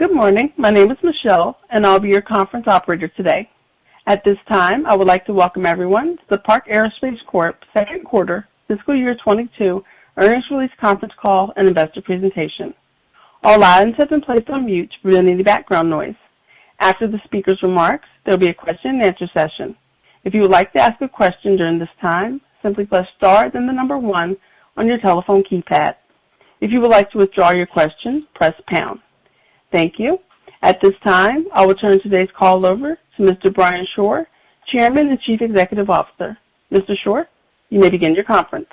Good morning. My name is Michelle, and I'll be your conference operator today. At this time, I would like to welcome everyone to the Park Aerospace Corp second quarter fiscal year 2022 earnings release conference call and investor presentation. All lines have been placed on mute to prevent any background noise. After the speaker's remarks, there will be a question and answer session. If you would like to ask a question during this time, simply press star, then the number one on your telephone keypad. If you would like to withdraw your question, press pound. Thank you. At this time, I will turn today's call over to Mr. Brian Shore, Chairman and Chief Executive Officer. Mr. Shore, you may begin your conference.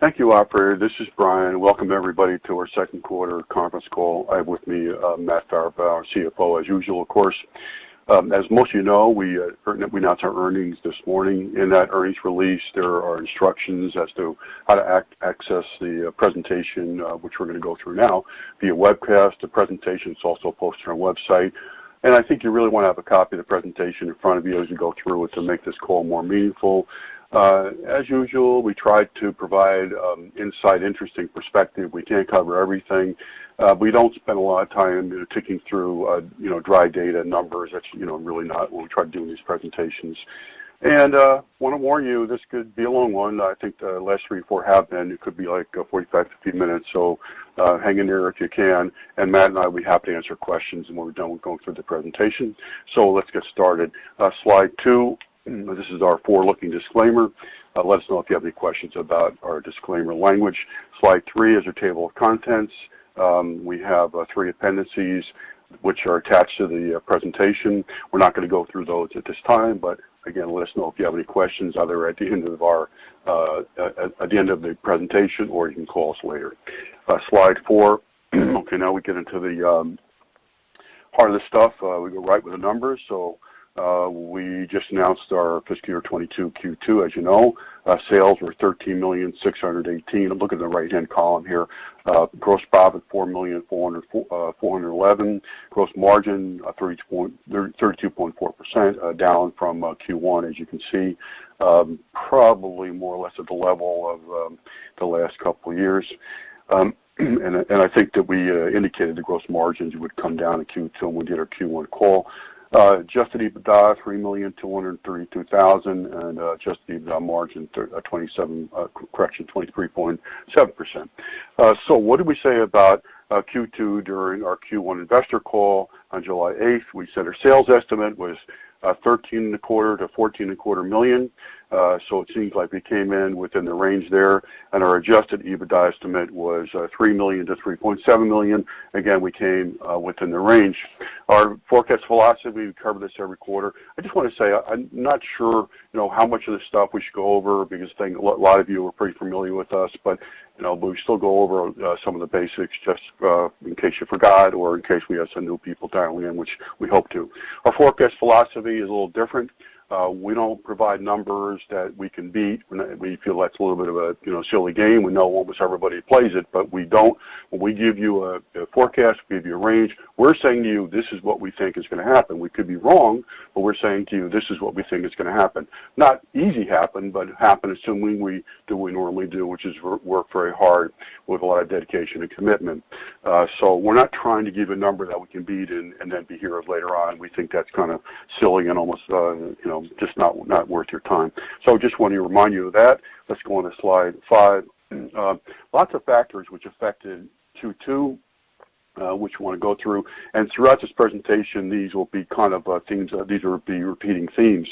Thank you, operator. This is Brian. Welcome everybody to our second quarter conference call. I have with me Matt Farabaugh, our CFO, as usual, of course. As most of you know, we announced our earnings this morning. In that earnings release, there are instructions as to how to access the presentation, which we're going to go through now via webcast. The presentation is also posted on our website. I think you really want to have a copy of the presentation in front of you as we go through it to make this call more meaningful. As usual, we try to provide insight, interesting perspective. We can't cover everything. We don't spend a lot of time ticking through dry data numbers. That's really not what we try to do in these presentations. I want to warn you, this could be a long one. I think the last three, four have been. It could be 45-50 minutes, hang in there if you can. Matt and I will be happy to answer questions when we're done with going through the presentation. Let's get started. Slide two. This is our forward-looking disclaimer. Let us know if you have any questions about our disclaimer language. Slide three is our table of contents. We have three appendices which are attached to the presentation. We're not going to go through those at this time, but again, let us know if you have any questions either at the end of the presentation, or you can call us later. Slide four. Okay, now we get into the heart of the stuff. We go right with the numbers. We just announced our fiscal year 2022 Q2, as you know. Sales were $13,618,000. Look at the right-hand column here. Gross profit, $4,411,000. Gross margin, 32.4%, down from Q1, as you can see. Probably more or less at the level of the last couple of years. I think that we indicated the gross margins would come down in Q2 when we did our Q1 call. Adjusted EBITDA, $3,232,000, and adjusted EBITDA margin, 23.7%. What did we say about Q2 during our Q1 investor call on July 8th? We said our sales estimate was $13.25 million-$14.25 million. It seems like we came in within the range there, and our adjusted EBITDA estimate was $3 million-$3.7 million. Again, we came within the range. Our forecast philosophy, we cover this every quarter. I just want to say, I'm not sure how much of this stuff we should go over because I think a lot of you are pretty familiar with us, but we still go over some of the basics just in case you forgot or in case we have some new people dialing in, which we hope to. Our forecast philosophy is a little different. We don't provide numbers that we can beat. We feel that's a little bit of a silly game. We know almost everybody plays it, but we don't. When we give you a forecast, we give you a range. We're saying to you, this is what we think is going to happen. We could be wrong, but we're saying to you, this is what we think is going to happen. Not easy happen, but happen assuming we do what we normally do, which is work very hard with a lot of dedication and commitment. We're not trying to give a number that we can beat and then be heroes later on. We think that's kind of silly and almost just not worth your time. Just want to remind you of that. Let's go on to slide five. Lots of factors which affected Q2, which we want to go through. Throughout this presentation, these will be repeating themes.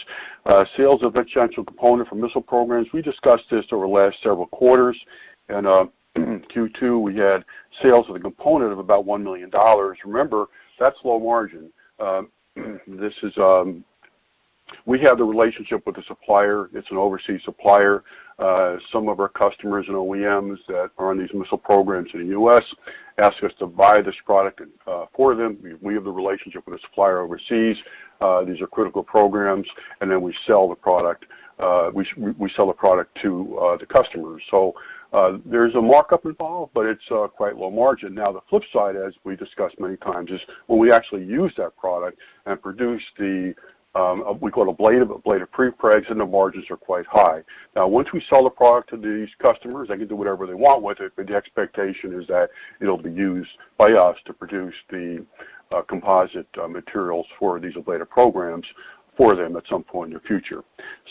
Sales of essential component for missile programs. We discussed this over the last several quarters. In Q2, we had sales of the component of about $1 million. Remember, that's low margin. We have the relationship with the supplier. It's an overseas supplier. Some of our customers and OEMs that are on these missile programs in the U.S. ask us to buy this product for them. We have the relationship with a supplier overseas. These are critical programs. We sell the product to the customers. There's a markup involved. It's quite low margin. Now, the flip side, as we discussed many times, is when we actually use that product and produce the, we call it ablative prepregs. The margins are quite high. Now, once we sell the product to these customers, they can do whatever they want with it. The expectation is that it'll be used by us to produce the composite materials for these blade programs for them at some point in the future.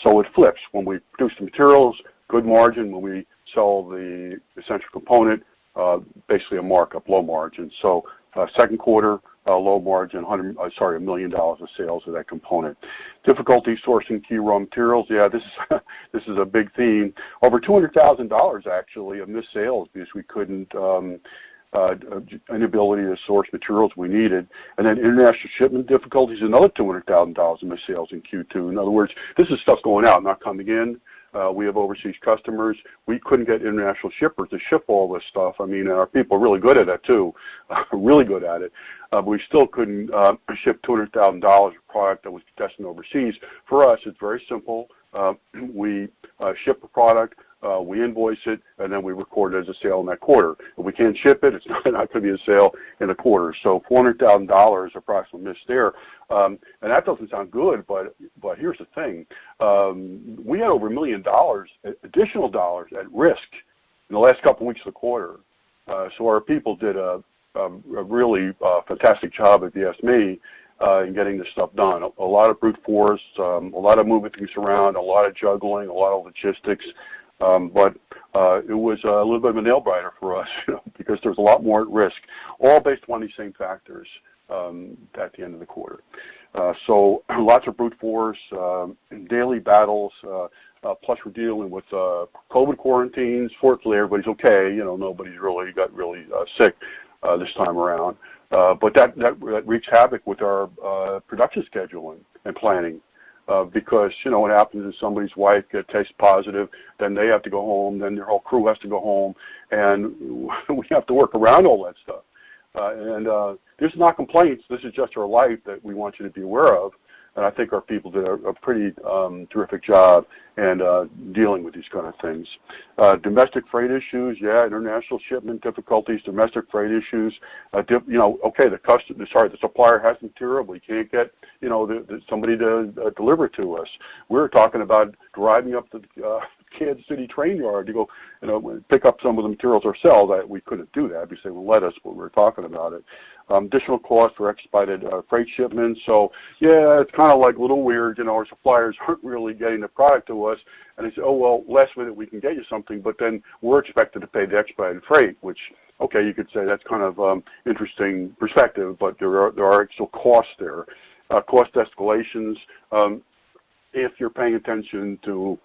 It flips. When we produce the materials, good margin. When we sell the essential component, basically a markup, low margin. Second quarter, low margin, $1 million of sales of that component. Difficulty sourcing key raw materials. This is a big theme. Over $200,000 actually of missed sales because an inability to source materials we needed. International shipment difficulties, another $200,000 of missed sales in Q2. In other words, this is stuff going out, not coming in. We have overseas customers. We couldn't get international shippers to ship all this stuff. I mean, our people are really good at it. We still couldn't ship $200,000 of product that was destined overseas. For us, it's very simple. We ship a product, we invoice it, we record it as a sale in that quarter. If we can't ship it's not going to be a sale in the quarter. $400,000 approximately missed there. That doesn't sound good, but here's the thing. We had over $1 million additional dollars at risk in the last couple weeks of the quarter. So our people did a really fantastic job, if you ask me, in getting this stuff done. A lot of brute force, a lot of movement, things around, a lot of juggling, a lot of logistics. It was a little bit of a nail-biter for us, because there was a lot more at risk, all based upon these same factors at the end of the quarter. Lots of brute force in daily battles, plus we're dealing with COVID quarantines. Fortunately, everybody's okay. Nobody's really got really sick this time around. That wreaked havoc with our production scheduling and planning, because what happens is somebody's wife tests positive, then they have to go home, then their whole crew has to go home, and we have to work around all that stuff. This is not complaints, this is just our life that we want you to be aware of, and I think our people did a pretty terrific job in dealing with these kind of things. Domestic freight issues, yeah, international shipment difficulties, domestic freight issues. Okay, the supplier has material we can't get somebody to deliver to us. We're talking about driving up to Kansas City train yard to go pick up some of the materials ourselves. We couldn't do that, obviously, they wouldn't let us, but we were talking about it. Additional costs for expedited freight shipments. Yeah, it's kind of little weird. Our suppliers aren't really getting the product to us. They say, "Oh, well, last minute we can get you something." We're expected to pay the expedited freight, which, okay, you could say that's kind of interesting perspective. There are actual costs there. Cost escalations. If you're paying attention to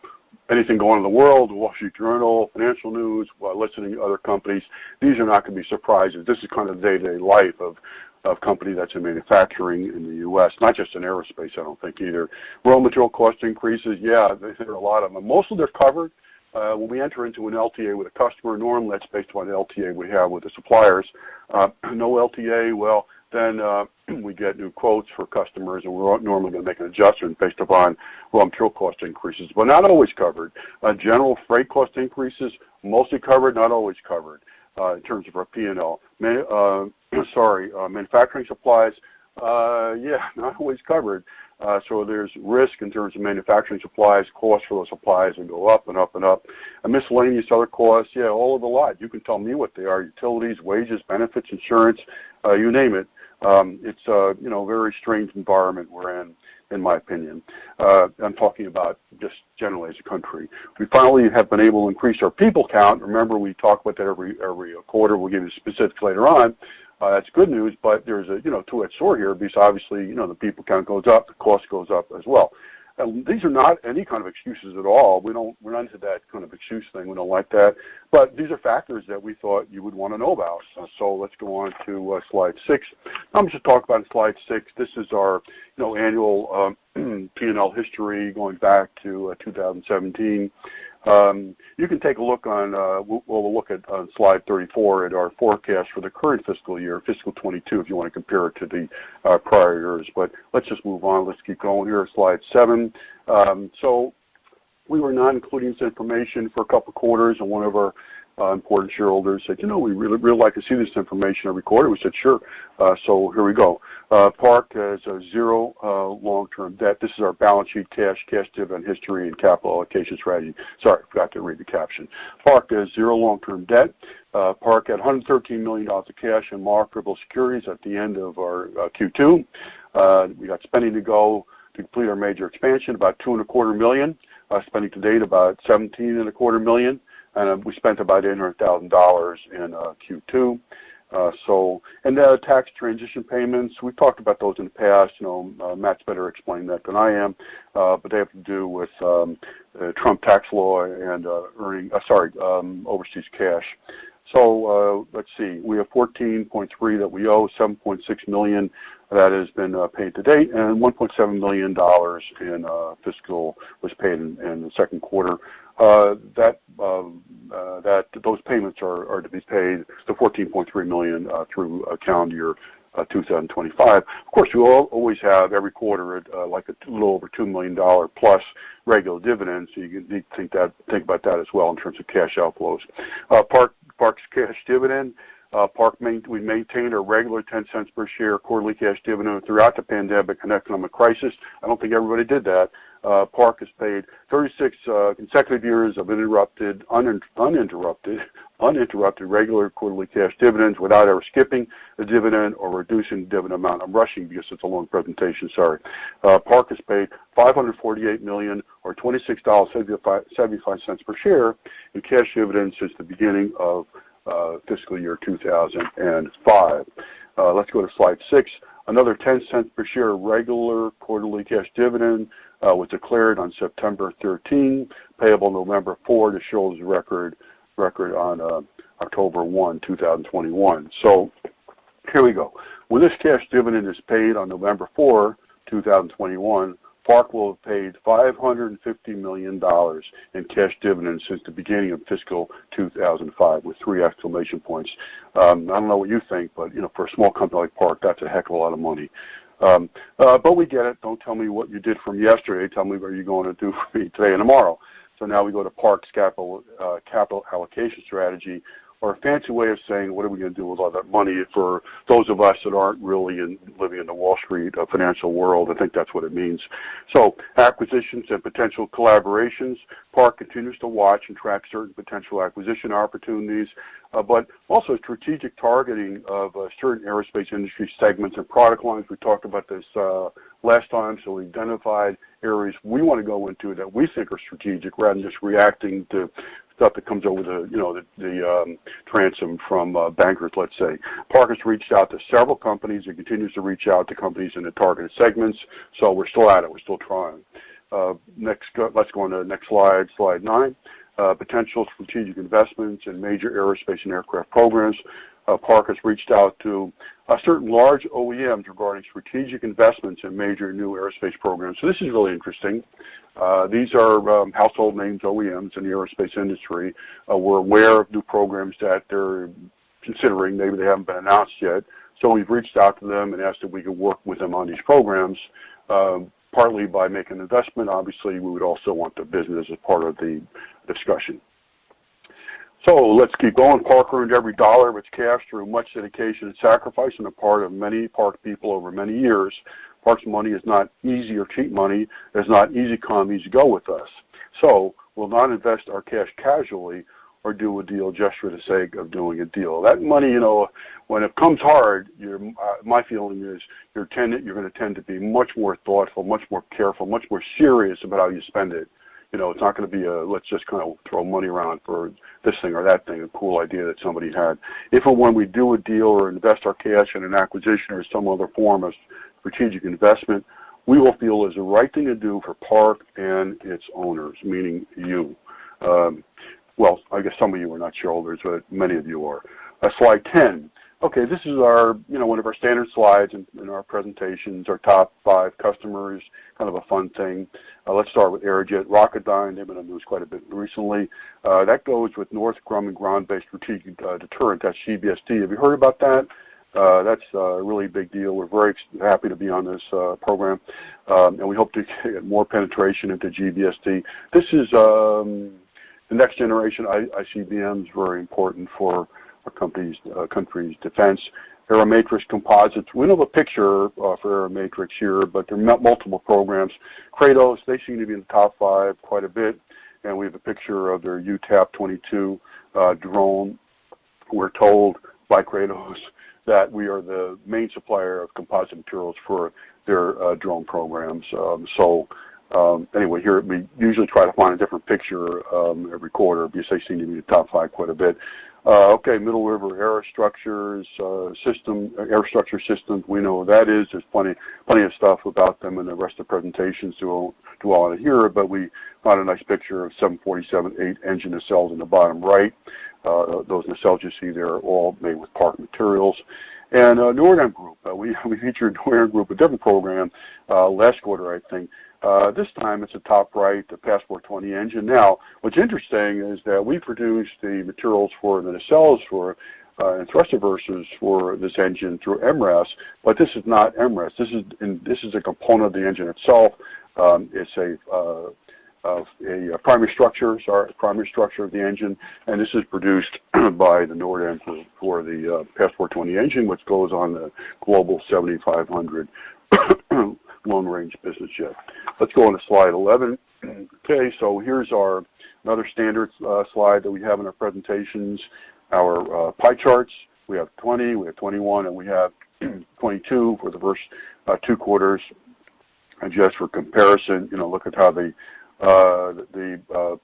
anything going on in the world, The Wall Street Journal, financial news, listening to other companies, these are not going to be surprises. This is kind of day-to-day life of a company that's in manufacturing in the U.S., not just in aerospace, I don't think either. Raw material cost increases, yeah, there are a lot of them. Most of them are covered. When we enter into an LTA with a customer, normally that's based upon the LTA we have with the suppliers. No LTA, well, we get new quotes for customers, we're normally going to make an adjustment based upon raw material cost increases, but not always covered. General freight cost increases, mostly covered, not always covered in terms of our P&L. Sorry. Manufacturing supplies, yeah, not always covered. There's risk in terms of manufacturing supplies. Costs for those supplies can go up and up and up. Miscellaneous other costs, yeah, all of the lot. You can tell me what they are. Utilities, wages, benefits, insurance, you name it. It's a very strange environment we're in my opinion. I'm talking about just generally as a country. We finally have been able to increase our people count. Remember, we talk about that every quarter. We'll give you specifics later on. That's good news, but there's a two-edged sword here because obviously, the people count goes up, the cost goes up as well. These are not any kind of excuses at all. We're not into that kind of excuse thing. We don't like that, but these are factors that we thought you would want to know about. Let's go on to slide six. I'm just talking about slide six. This is our annual P&L history going back to 2017. You can take a look on, we'll have a look at slide 34 at our forecast for the current fiscal year, fiscal 2022, if you want to compare it to the prior years. Let's just move on. Let's keep going here, slide seven. We were not including this information for a couple of quarters, and one of our important shareholders said, "We really like to see this information every quarter." We said sure, here we go. Park has zero long-term debt. This is our balance sheet, cash dividend history, and capital allocation strategy. Sorry, forgot to read the caption. Park has zero long-term debt. Park had $113 million of cash and marketable securities at the end of our Q2. We got spending to go to complete our major expansion, about $2.25 million. Spending to date, about $17.25 million, and we spent about $800,000 in Q2. The tax transition payments, we've talked about those in the past. Matt's better explaining that than I am. They have to do with Trump tax law and overseas cash. Let's see. We have $14.3 million that we owe, $7.6 million that has been paid to date, and $1.7 million in fiscal was paid in the second quarter. Those payments are to be paid, the $14.3 million, through calendar year 2025. You will always have every quarter, like a little over $2 million+ regular dividends. You need to think about that as well in terms of cash outflows. Park's cash dividend. Park we maintained our regular $0.10 per share quarterly cash dividend throughout the pandemic and economic crisis. I don't think everybody did that. Park has paid 36 consecutive years of uninterrupted regular quarterly cash dividends without ever skipping a dividend or reducing dividend amount. I'm rushing because it's a long presentation, sorry. Park has paid $548 million or $26.75 per share in cash dividends since the beginning of fiscal year 2005. Let's go to slide six. Another $0.10 per share regular quarterly cash dividend was declared on September 13th, payable November 4, the shareholders record on October 1, 2021. Here we go. When this cash dividend is paid on November 4, 2021, Park will have paid $550 million in cash dividends since the beginning of fiscal 2005 with three exclamation points. I don't know what you think, but for a small company like Park, that's a heck of a lot of money. We get it. Don't tell me what you did for me yesterday, tell me what you're going to do for me today and tomorrow. Now we go to Park's capital allocation strategy, or a fancy way of saying, what are we going to do with all that money? For those of us that aren't really living in the Wall Street financial world, I think that's what it means. Acquisitions and potential collaborations. Park continues to watch and track certain potential acquisition opportunities, but also strategic targeting of certain aerospace industry segments and product lines. We talked about this last time. We identified areas we want to go into that we think are strategic rather than just reacting to stuff that comes over the transom from bankers, let's say. Park has reached out to several companies and continues to reach out to companies in the targeted segments. We're still at it. We're still trying. Let's go on to the next slide nine. Potential strategic investments in major aerospace and aircraft programs. Park has reached out to certain large OEMs regarding strategic investments in major new aerospace programs. This is really interesting. These are household names, OEMs in the aerospace industry. We're aware of new programs that they're considering. Maybe they haven't been announced yet. We've reached out to them and asked if we could work with them on these programs, partly by making an investment. Obviously, we would also want the business as part of the discussion. Let's keep going. Park earned every dollar of its cash through much dedication and sacrifice on the part of many Park people over many years. Park's money is not easy or cheap money, it is not easy come, easy go with us. We'll not invest our cash casually or do a deal just for the sake of doing a deal. That money, when it comes hard, my feeling is you're going to tend to be much more thoughtful, much more careful, much more serious about how you spend it. It's not going to be a, let's just kind of throw money around for this thing or that thing, a cool idea that somebody had. If or when we do a deal or invest our cash in an acquisition or some other form of strategic investment, we will feel it's the right thing to do for Park and its owners, meaning you. Well, I guess some of you are not shareholders, but many of you are. Slide 10. Okay, this is one of our standard slides in our presentations, our top five customers, kind of a fun thing. Let's start with Aerojet Rocketdyne. They've been on with us quite a bit recently. That goes with Northrop Grumman Ground Based Strategic Deterrent. That's GBSD. Have you heard about that? That's a really big deal. We're very happy to be on this program, and we hope to get more penetration into GBSD. This is the next generation ICBMs, very important for our country's defense. Aeromatrix Composites. We don't have a picture for Aeromatrix here, but they're in multiple programs. Kratos, they seem to be in the top 5 quite a bit, and we have a picture of their UTAP-22 drone. We're told by Kratos that we are the main supplier of composite materials for their drone programs. Anyway, here we usually try to find a different picture every quarter. They seem to be in the top five quite a bit. Middle River Aerostructure Systems. We know who that is. There's plenty of stuff about them in the rest of the presentation, so we won't dwell on it here, but we found a nice picture of 747-8 engine nacelles in the bottom right. Those nacelles you see there are all made with Park materials. NORDAM Group. We featured NORDAM Group, a different program, last quarter, I think. This time it's the top right, the Passport 20 engine. What's interesting is that we produce the materials for the nacelles for, and thrust reversers for this engine through MRAS. This is not MRAS. This is a component of the engine itself. It's a primary structure of the engine, this is produced by the NORDAM for the Passport 20 engine, which goes on the Global 7500 long-range business jet. Let's go on to slide 11. Here's another standard slide that we have in our presentations, our pie charts. We have 2020, we have 2021, we have 2022 for the first two quarters. Just for comparison, look at how the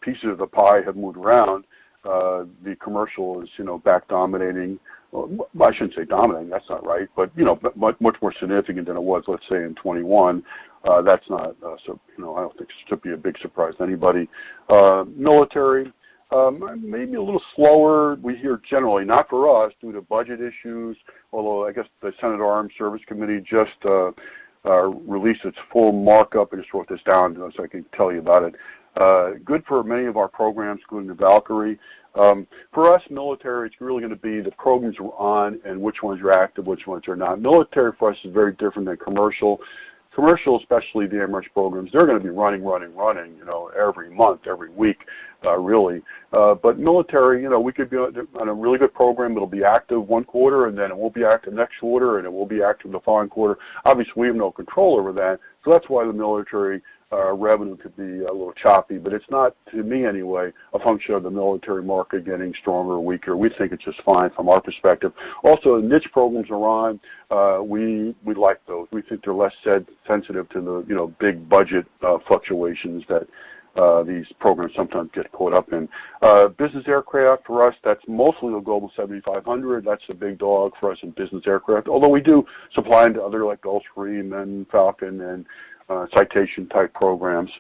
pieces of the pie have moved around. The commercial is back dominating. I shouldn't say dominating, that's not right. Much more significant than it was, let's say, in 2021. I don't think this should be a big surprise to anybody. Military, maybe a little slower. We hear generally, not for us, due to budget issues, although I guess the Senate Armed Services Committee just released its full markup. I just wrote this down, so I can tell you about it. Good for many of our programs, including the Valkyrie. For us, military, it's really going to be the programs we're on and which ones are active, which ones are not. Military for us is very different than commercial. Commercial, especially the MRAS programs, they're going to be running every month, every week, really. Military, we could be on a really good program. It'll be active one quarter, and then it won't be active next quarter, and it will be active the following quarter. That's why the military revenue could be a little choppy, but it's not, to me anyway, a function of the military market getting stronger or weaker. We think it's just fine from our perspective. Niche programs are on. We like those. We think they're less sensitive to the big budget fluctuations that these programs sometimes get caught up in. Business aircraft, for us, that's mostly the Global 7500. That's the big dog for us in business aircraft. We do supply into other like Gulfstream and Falcon and Citation type programs.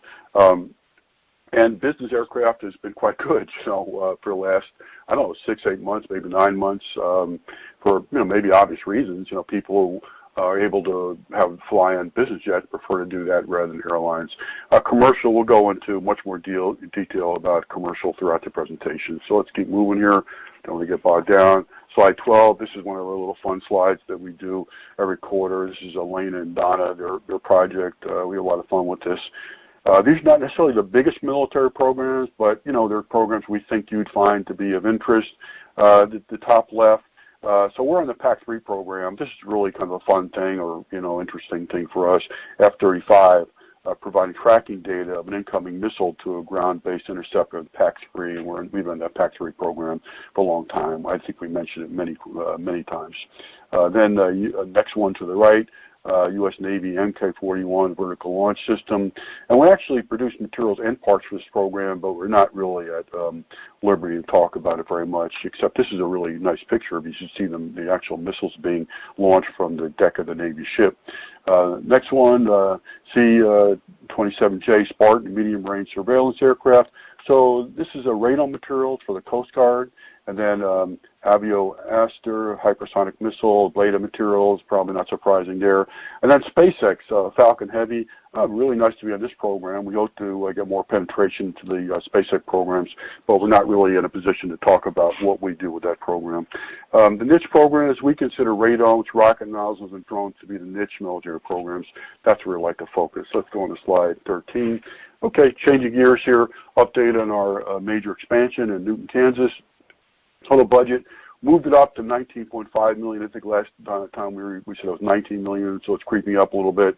Business aircraft has been quite good for the last, I don't know, six, eight months, maybe nine months, for maybe obvious reasons. People are able to fly on business jets prefer to do that rather than airlines. Commercial, we'll go into much more detail about commercial throughout the presentation. Let's keep moving here. Don't want to get bogged down. Slide 12. This is one of the little fun slides that we do every quarter. This is Alaina and Donna, their project. We had a lot of fun with this. These are not necessarily the biggest military programs, but they're programs we think you'd find to be of interest. The top left. We're in the PAC-3 program. This is really kind of a fun thing or interesting thing for us. F-35, providing tracking data of an incoming missile to a ground-based interceptor, PAC-3. We've been in that PAC-3 program for a long time. I think we mentioned it many times. The next one to the right, U.S. Navy Mk 41 Vertical Launching System. We actually produce materials and parts for this program, but we're not really at liberty to talk about it very much, except this is a really nice picture. As you see the actual missiles being launched from the deck of the Navy ship. Next one, C-27J Spartan Medium Range Surveillance Aircraft. This is a radar material for the Coast Guard, and then Avio Aster hypersonic missile, ablator materials, probably not surprising there. SpaceX Falcon Heavy. Really nice to be on this program. We hope to get more penetration to the SpaceX programs, but we're not really in a position to talk about what we do with that program. The niche programs, we consider radars, rocket nozzles, and drones to be the niche military programs. That's where we like to focus. Let's go on to slide 13. Okay, changing gears here. Update on our major expansion in Newton, Kansas. Total budget, moved it up to $19.5 million. I think last time we said it was $19 million, so it's creeping up a little bit.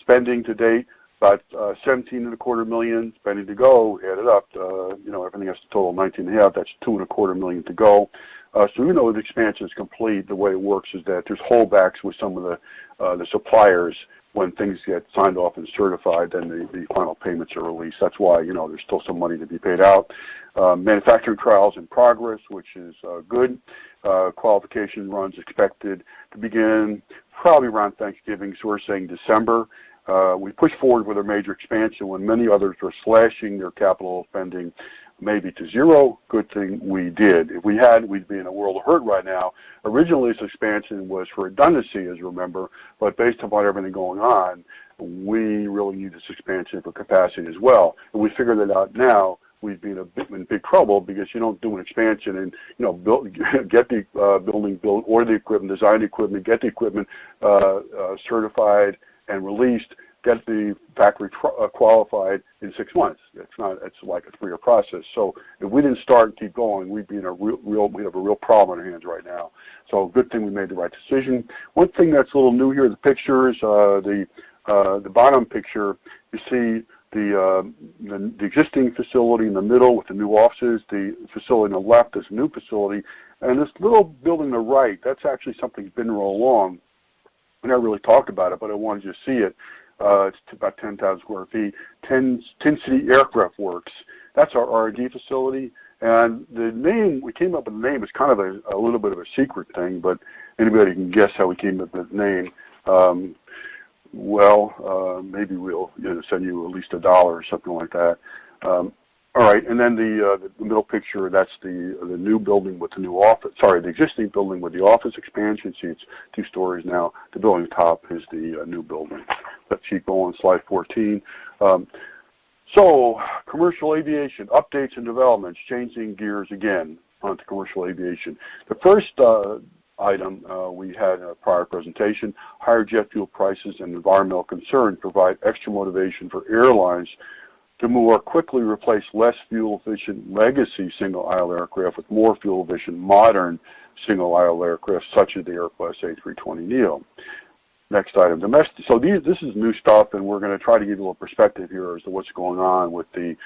Spending to date, about $17.25 million. Spending to go, add it up. Everything else is a total of $19 and a half. That's $2 and a quarter million to go. Even though the expansion is complete, the way it works is that there's holdbacks with some of the suppliers when things get signed off and certified, then the final payments are released. That's why there's still some money to be paid out. Manufacturing trials in progress, which is good. Qualification runs expected to begin probably around Thanksgiving, so we're saying December. We pushed forward with our major expansion when many others were slashing their capital spending maybe to zero. Good thing we did. If we hadn't, we'd be in a world of hurt right now. Originally, this expansion was for redundancy, as you remember, but based upon everything going on, we really need this expansion for capacity as well. If we figured that out now, we'd be in big trouble because you don't do an expansion and get the building built or the design equipment, get the equipment certified and released, get the factory qualified in six months. It's like a three-year process. If we didn't start and keep going, we'd have a real problem on our hands right now. Good thing we made the right decision. One thing that's a little new here, the pictures. The bottom picture, you see the existing facility in the middle with the new offices. The facility on the left is a new facility, this little building on the right, that's actually something that's been here all along. We never really talked about it, but I wanted you to see it. It's about 10,000 sq ft. Tin City Aircraft Works. That's our R&D facility. The name, we came up with the name, it's kind of a little bit of a secret thing, anybody can guess how we came up with the name. Well, maybe we'll send you at least $1 or something like that. All right. The middle picture, that's the existing building with the office expansion, it's two stories now. The building on top is the new building. Let's keep going, slide 14. Commercial aviation, updates and developments, changing gears again onto commercial aviation. The first item we had in a prior presentation, higher jet fuel prices and environmental concern provide extra motivation for airlines to more quickly replace less fuel-efficient legacy single-aisle aircraft with more fuel-efficient modern single-aisle aircraft, such as the Airbus A320neo. Next item. This is new stuff, and we're going to try to give a little perspective here as to what's going on with the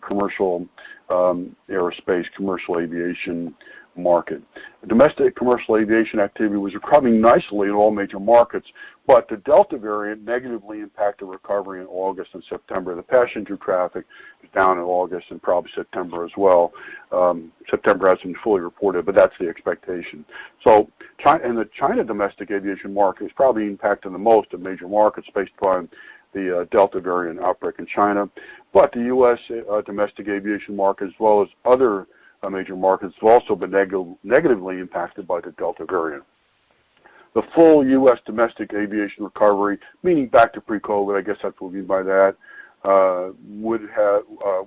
commercial aerospace, commercial aviation market. Domestic commercial aviation activity was recovering nicely in all major markets, but the Delta variant negatively impacted recovery in August and September. The passenger traffic was down in August and probably September as well. September hasn't been fully reported, but that's the expectation. The China domestic aviation market is probably impacted the most of major markets based upon the Delta variant outbreak in China. The U.S. domestic aviation market, as well as other major markets, have also been negatively impacted by the Delta variant. The full U.S. domestic aviation recovery, meaning back to pre-COVID, I guess that's what we mean by that,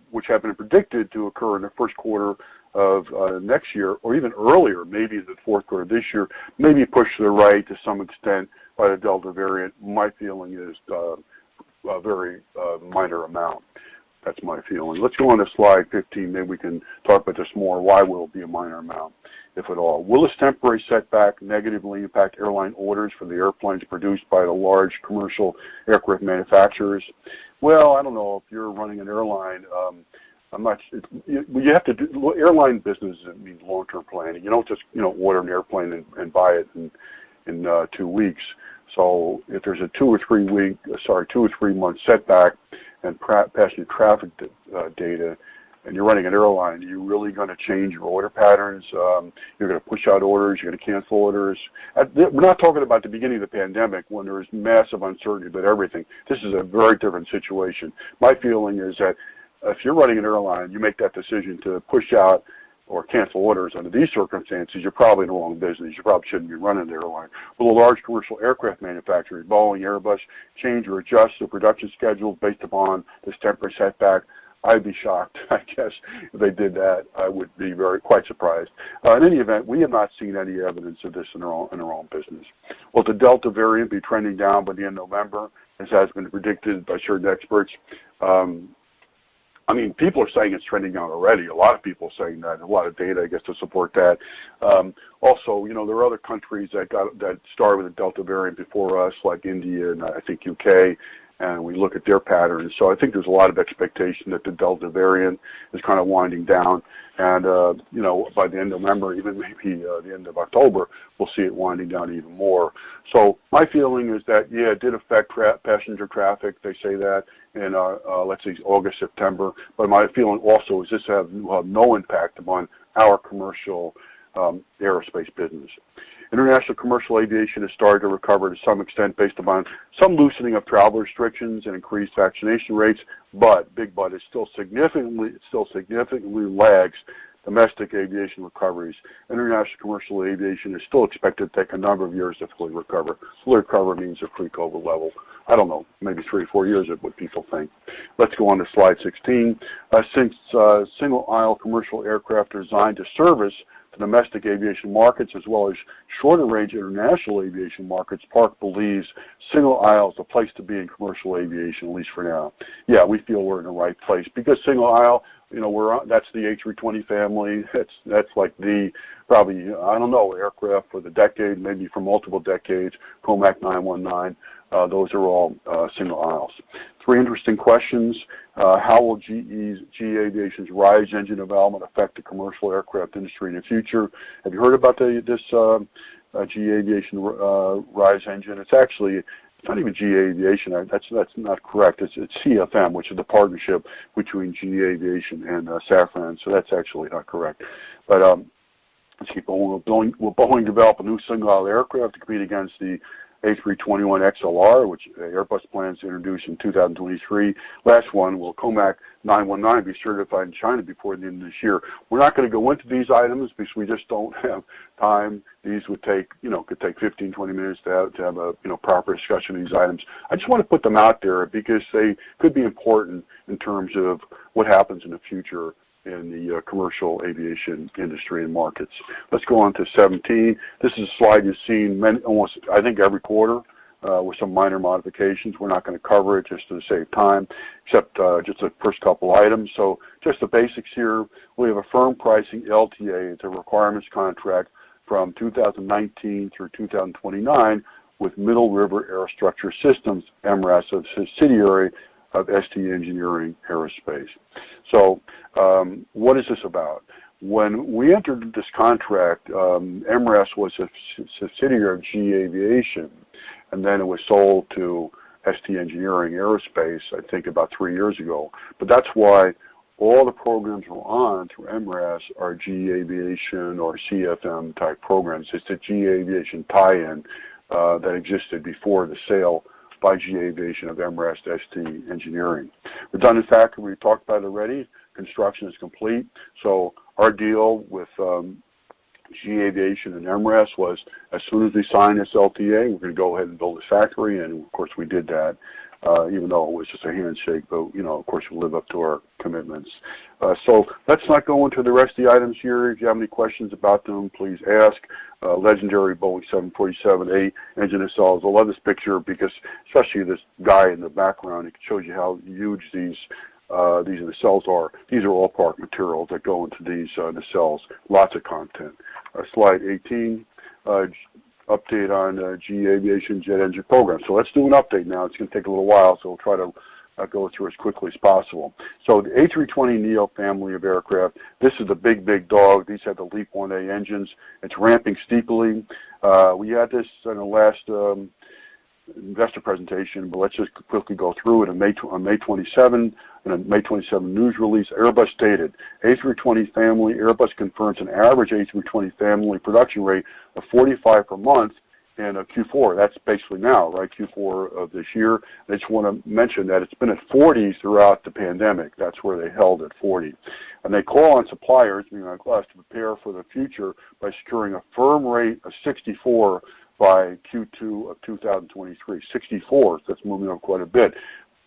which had been predicted to occur in the first quarter of next year or even earlier, maybe the fourth quarter of this year, may be pushed to the right to some extent by the Delta variant. My feeling is a very minor amount. That's my feeling. Let's go on to slide 15, maybe we can talk about this more. Why will it be a minor amount, if at all? Will this temporary setback negatively impact airline orders for the airplanes produced by the large commercial aircraft manufacturers? Well, I don't know. If you're running an airline business needs long-term planning. You don't just order an airplane and buy it in two weeks. If there's a two or three-month setback in passenger traffic data, and you're running an airline, are you really going to change your order patterns? You're going to push out orders, you're going to cancel orders? We're not talking about the beginning of the pandemic when there was massive uncertainty about everything. This is a very different situation. My feeling is that if you're running an airline, you make that decision to push out or cancel orders under these circumstances, you're probably in the wrong business. You probably shouldn't be running an airline. Will the large commercial aircraft manufacturers, Boeing, Airbus, change or adjust their production schedule based upon this temporary setback? I'd be shocked, I guess, if they did that. I would be very quite surprised. In any event, we have not seen any evidence of this in our own business. Will the Delta variant be trending down by the end of November, as has been predicted by certain experts? People are saying it's trending down already. A lot of people are saying that, and a lot of data, I guess, to support that. There are other countries that started with the Delta variant before us, like India and I think U.K., and we look at their patterns. I think there's a lot of expectation that the Delta variant is kind of winding down and by the end of November, even maybe the end of October, we'll see it winding down even more. My feeling is that, yeah, it did affect passenger traffic, they say that in, let's see, August, September. My feeling also is this will have no impact upon our commercial aerospace business. International commercial aviation has started to recover to some extent based upon some loosening of travel restrictions and increased vaccination rates. Big but, it still significantly lags domestic aviation recoveries. International commercial aviation is still expected to take a number of years to fully recover. Fully recover means a pre-COVID level. I don't know, maybe three or four years is what people think. Let's go on to slide 16. Since single-aisle commercial aircraft are designed to service the domestic aviation markets as well as shorter range international aviation markets, Park believes single aisle is the place to be in commercial aviation, at least for now. Yeah, we feel we're in the right place because single aisle, that's the A320 family. That's like the, probably, I don't know, aircraft for the decade, maybe for multiple decades. COMAC C919, those are all single aisles. Three interesting questions. How will GE Aerospace's RISE engine development affect the commercial aircraft industry in the future? Have you heard about this GE Aerospace RISE engine? It's actually not even GE Aerospace. That's not correct. It's CFM, which is a partnership between GE Aerospace and Safran. That's actually not correct. Let's keep going. Will Boeing develop a new single-aisle aircraft to compete against the A321XLR, which Airbus plans to introduce in 2023? Last one, will COMAC C919 be certified in China before the end of this year? We're not going to go into these items because we just don't have time. These could take 15, 20 minutes to have a proper discussion of these items. I just want to put them out there because they could be important in terms of what happens in the future in the commercial aviation industry and markets. Let's go on to 17. This is a slide you've seen almost, I think, every quarter, with some minor modifications. We are not going to cover it just to save time, except just the first couple items. So just the basics here. We have a firm pricing LTA. It is a requirements contract from 2019 through 2029 with Middle River Aerostructure Systems, MRAS, a subsidiary of ST Engineering Aerospace. So, what is this about? When we entered this contract, MRAS was a subsidiary of GE Aviation, and then it was sold to ST Engineering Aerospace, I think about three years ago. But that is why all the programs we are on through MRAS are GE Aviation or CFM-type programs. It's the GE Aviation tie-in that existed before the sale by GE Aviation of MRAS to ST Engineering. We've done the factory. We talked about it already. Construction is complete. Our deal with GE Aviation and MRAS was as soon as they sign this LTA, we're going to go ahead and build a factory. Of course, we did that, even though it was just a handshake. Of course, we live up to our commitments. Let's not go into the rest of the items here. If you have any questions about them, please ask. Legendary Boeing 747-8 engine nacelles. I love this picture because especially this guy in the background, it shows you how huge these nacelles are. These are all Park materials that go into these nacelles. Lots of content. Slide 18, update on GE Aviation jet engine program. Let's do an update now. It's going to take a little while, we'll try to go through as quickly as possible. The A320neo family of aircraft, this is the big, big dog. These have the LEAP-1A engines. It's ramping steeply. We had this in the last investor presentation, let's just quickly go through it. On May 27, in a May 27 news release, Airbus stated, "A320 family. Airbus confirms an average A320 family production rate of 45 per month in Q4." That's basically now, right? Q4 of this year. I just want to mention that it's been at 40 throughout the pandemic. That's where they held, at 40. They call on suppliers, meaning us, to prepare for the future by securing a firm rate of 64 by Q2 of 2023. 64. That's moving up quite a bit.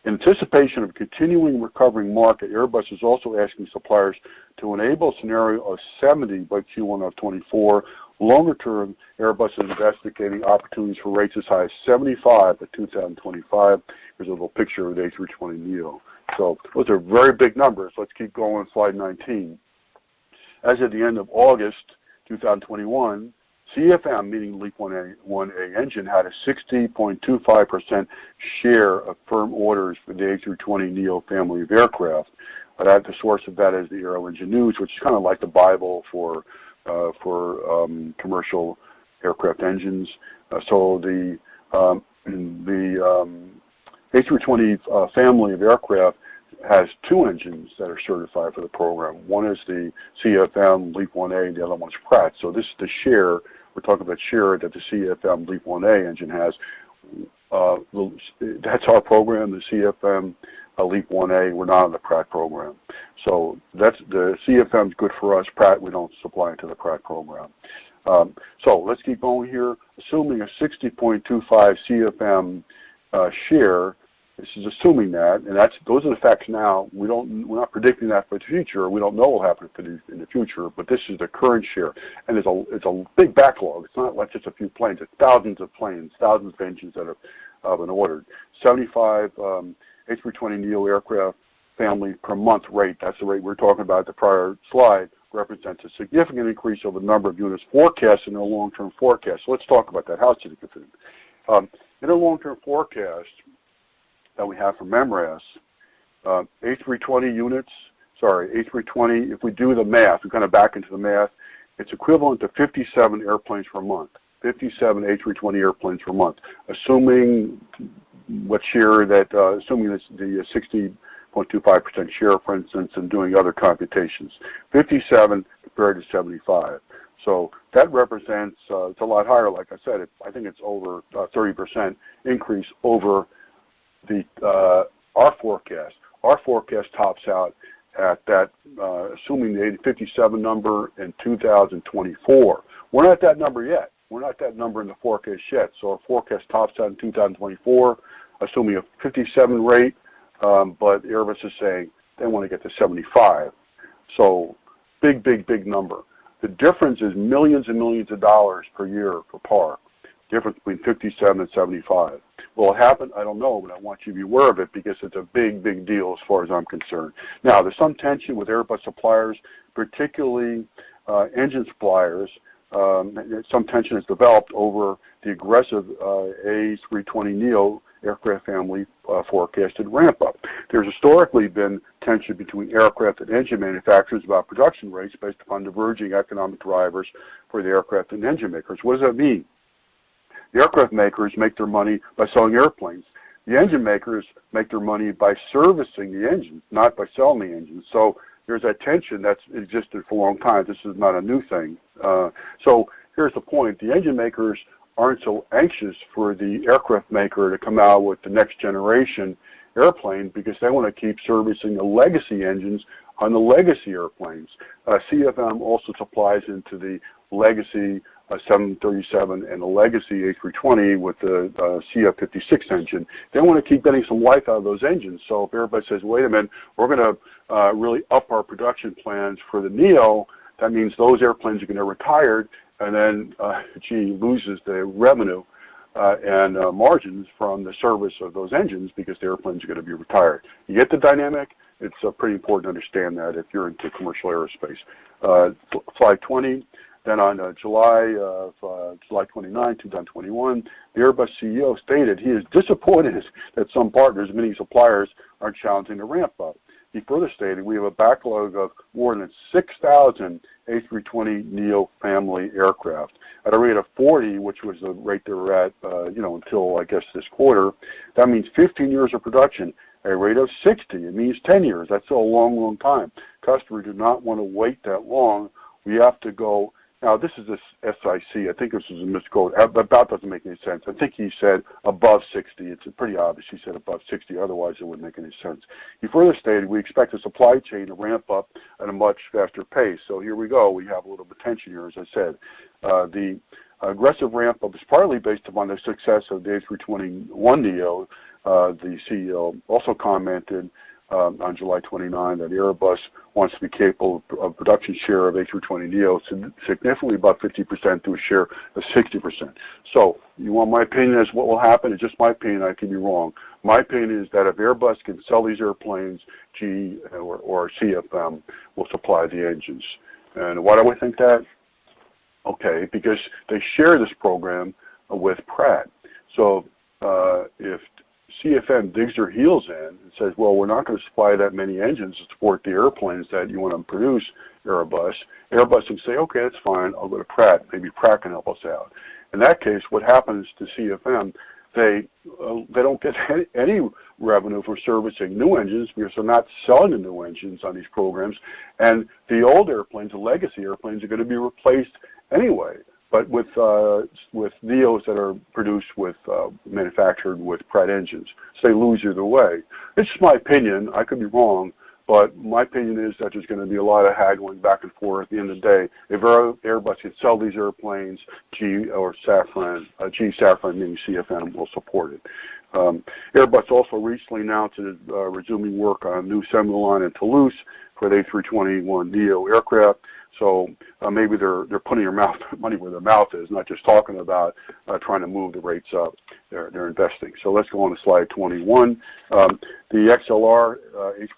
Anticipation of continuing recovering market, Airbus is also asking suppliers to enable a scenario of 70 by Q1 of 2024. Longer term, Airbus is investigating opportunities for rates as high as 75 by 2025. Here's a little picture of the A320neo. Those are very big numbers. Let's keep going. Slide 19. As of the end of August 2021, CFM, meaning LEAP-1A engine, had a 60.25% share of firm orders for the A320neo family of aircraft. I'll add the source of that is the Aero Engine News, which is kind of like the bible for commercial aircraft engines. The A320 family of aircraft has two engines that are certified for the program. One is the CFM LEAP-1A, and the other one's Pratt. This is the share. We're talking about share that the CFM LEAP-1A engine has. That's our program, the CFM LEAP-1A. We're not on the Pratt program. The CFM is good for us. Pratt, we don't supply to the Pratt program. Let's keep going here. Assuming a 60.25 CFM share. This is assuming that, and those are the facts now. We're not predicting that for the future. We don't know what will happen in the future, but this is the current share, and it's a big backlog. It's not like just a few planes. It's thousands of planes, thousands of engines that have been ordered. 75 A320neo aircraft family per month rate, that's the rate we were talking about at the prior slide, represents a significant increase over the number of units forecast in their long-term forecast. Let's talk about that. How is it getting? In their long-term forecast that we have from MRAS, A320, if we do the math, we kind of back into the math, it's equivalent to 57 airplanes per month, 57 A320 airplanes per month. Assuming the 60.25% share, for instance, and doing other computations, 57 compared to 75. That represents, it's a lot higher, like I said. I think it's over 30% increase over our forecast. Our forecast tops out at that, assuming the 57 number in 2024. We're not that number yet. We're not that number in the forecast yet. Our forecast tops out in 2024, assuming a 57 rate, but Airbus is saying they want to get to 75. Big number. The difference is millions and millions of dollars per Park, difference between 57 and 75. Will it happen? I don't know, but I want you to be aware of it because it's a big deal as far as I'm concerned. There's some tension with Airbus suppliers, particularly engine suppliers. Some tension has developed over the aggressive A320neo aircraft family forecasted ramp-up. There's historically been tension between aircraft and engine manufacturers about production rates based upon diverging economic drivers for the aircraft and engine makers. What does that mean? The aircraft makers make their money by selling airplanes. The engine makers make their money by servicing the engines, not by selling the engines. There's that tension that's existed for a long time. This is not a new thing. Here's the point. The engine makers aren't so anxious for the aircraft maker to come out with the next generation airplane because they want to keep servicing the legacy engines on the legacy airplanes. CFM also supplies into the legacy 737 and the legacy A320 with the CFM56 engine. They want to keep getting some life out of those engines. If Airbus says, "Wait a minute, we're going to really up our production plans for the neo," that means those airplanes are going to get retired, and then GE loses the revenue and margins from the service of those engines because the airplanes are going to be retired. You get the dynamic? It's pretty important to understand that if you're into commercial aerospace. Slide 20. On July 29, 2021, the Airbus CEO stated he is disappointed that some partners, many suppliers, are challenging the ramp-up. He further stated, "We have a backlog of more than 6,000 A320neo family aircraft. At a rate of 40," which was the rate they were at until, I guess, this quarter, "that means 15 years of production. At a rate of 60, it means 10 years." That's a long time. "Customers do not want to wait that long. We have to go" This is this SIC. I think this is a misquote. That doesn't make any sense. I think he said above 60. It's pretty obvious he said above 60, otherwise it wouldn't make any sense. He further stated, "We expect the supply chain to ramp up at a much faster pace." Here we go. We have a little bit of tension here, as I said. The aggressive ramp-up is partly based upon the success of the A321neo. The CEO also commented on July 29 that Airbus wants to be capable of production share of A320neos, and significantly above 50% to a share of 60%. You want my opinion as what will happen? It's just my opinion, I can be wrong. My opinion is that if Airbus can sell these airplanes, GE or CFM will supply the engines. Why do I think that? Because they share this program with Pratt. If CFM digs their heels in and says, "Well, we're not going to supply that many engines to support the airplanes that you want to produce, Airbus," Airbus can say, "That's fine. I'll go to Pratt. Maybe Pratt can help us out." In that case, what happens to CFM, they don't get any revenue for servicing new engines because they're not selling the new engines on these programs, and the old airplanes, the legacy airplanes, are going to be replaced anyway. With neos that are manufactured with Pratt engines, they lose either way. It's just my opinion. I could be wrong, but my opinion is that there's going to be a lot of haggling back and forth. At the end of the day, if Airbus can sell these airplanes, GE or Safran, GE, Safran, meaning CFM, will support it. Airbus also recently announced it is resuming work on a new assembly line in Toulouse for the A321neo aircraft. Maybe they're putting their money where their mouth is, not just talking about trying to move the rates up. They're investing. Let's go on to slide 21. The XLR,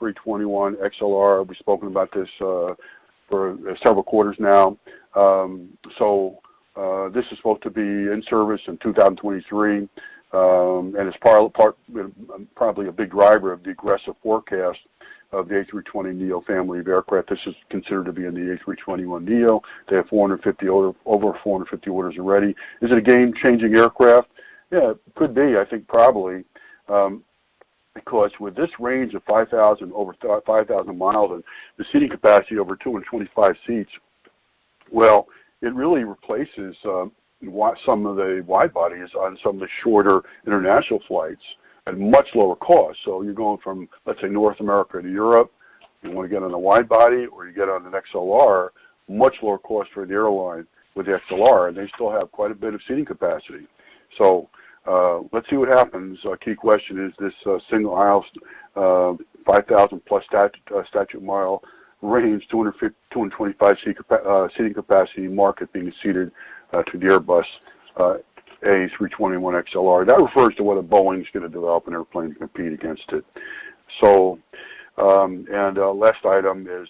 A321XLR, we've spoken about this for several quarters now. This is supposed to be in service in 2023, and it's probably a big driver of the aggressive forecast of the A320neo family of aircraft. This is considered to be in the A321neo. They have over 450 orders already. Is it a game-changing aircraft? Yeah, it could be. I think probably, because with this range of over 5,000 mi and the seating capacity over 225 seats, well, it really replaces some of the wide bodies on some of the shorter international flights at much lower cost. You're going from, let's say, North America to Europe. You want to get on a wide body or you get on an XLR, much lower cost for an airline with the XLR, and they still have quite a bit of seating capacity. Let's see what happens. A key question is this single-aisle, 5,000+ statute mile range, 225 seating capacity market being ceded to the Airbus A321XLR. That refers to whether Boeing's going to develop an airplane to compete against it. Last item is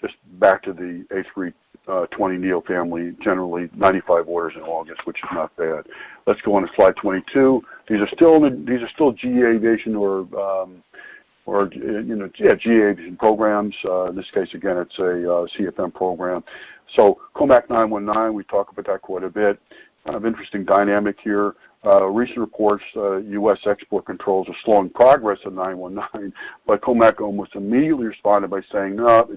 just back to the Airbus A320neo family, generally, 95 orders in August, which is not bad. Let's go on to slide 22. These are still GA aviation programs. In this case, again, it's a CFM program. COMAC C919, we talk about that quite a bit. Kind of interesting dynamic here. Recent reports, U.S. export controls are slowing progress of C919, COMAC almost immediately responded by saying, "No,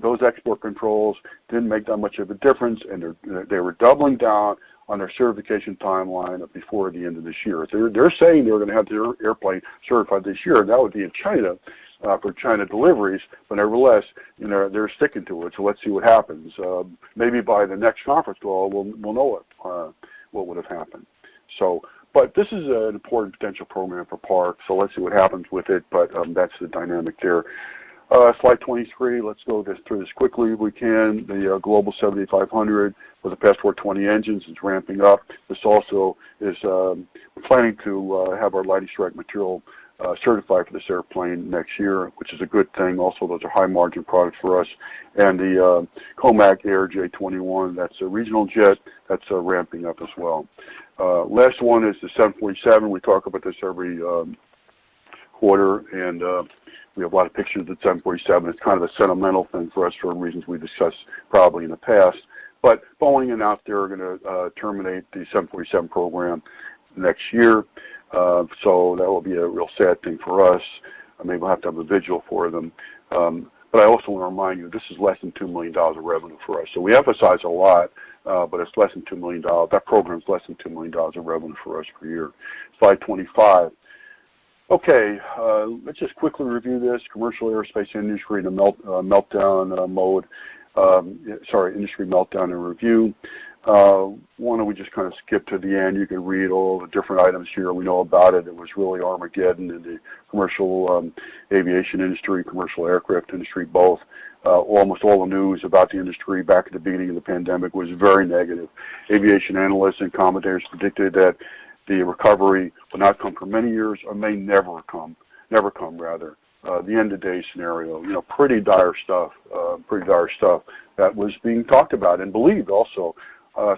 those export controls didn't make that much of a difference," and they were doubling down on their certification timeline before the end of this year. They're saying they were going to have their airplane certified this year, and that would be in China for China deliveries. Nevertheless, they're sticking to it, let's see what happens. Maybe by the next conference call, we'll know what would have happened. This is an important potential program for Park, let's see what happens with it, that's the dynamic there. Slide 23. Let's go through this quickly if we can. The Global 7500 with the Passport 20 engines is ramping up. This also is planning to have our lightning strike material certified for this airplane next year, which is a good thing. Those are high-margin products for us. The COMAC ARJ21, that's a regional jet. That's ramping up as well. Last one is the 747. We talk about this every quarter, and we have a lot of pictures of the 747. It's kind of a sentimental thing for us for reasons we discussed probably in the past. Boeing announced they are going to terminate the 747 program next year. That will be a real sad thing for us. I mean, we'll have to have a vigil for them. I also want to remind you, this is less than $2 million of revenue for us. We emphasize a lot, but that program is less than $2 million of revenue for us per year. Slide 25. Okay, let's just quickly review this. Commercial aerospace industry in a meltdown mode. Sorry, industry meltdown and review. Why don't we just kind of skip to the end? You can read all the different items here. We know about it. It was really Armageddon in the commercial aviation industry, commercial aircraft industry, both. Almost all the news about the industry back at the beginning of the pandemic was very negative. Aviation analysts and commentators predicted that the recovery would not come for many years or may never come. The end-of-days scenario. Pretty dire stuff that was being talked about and believed also.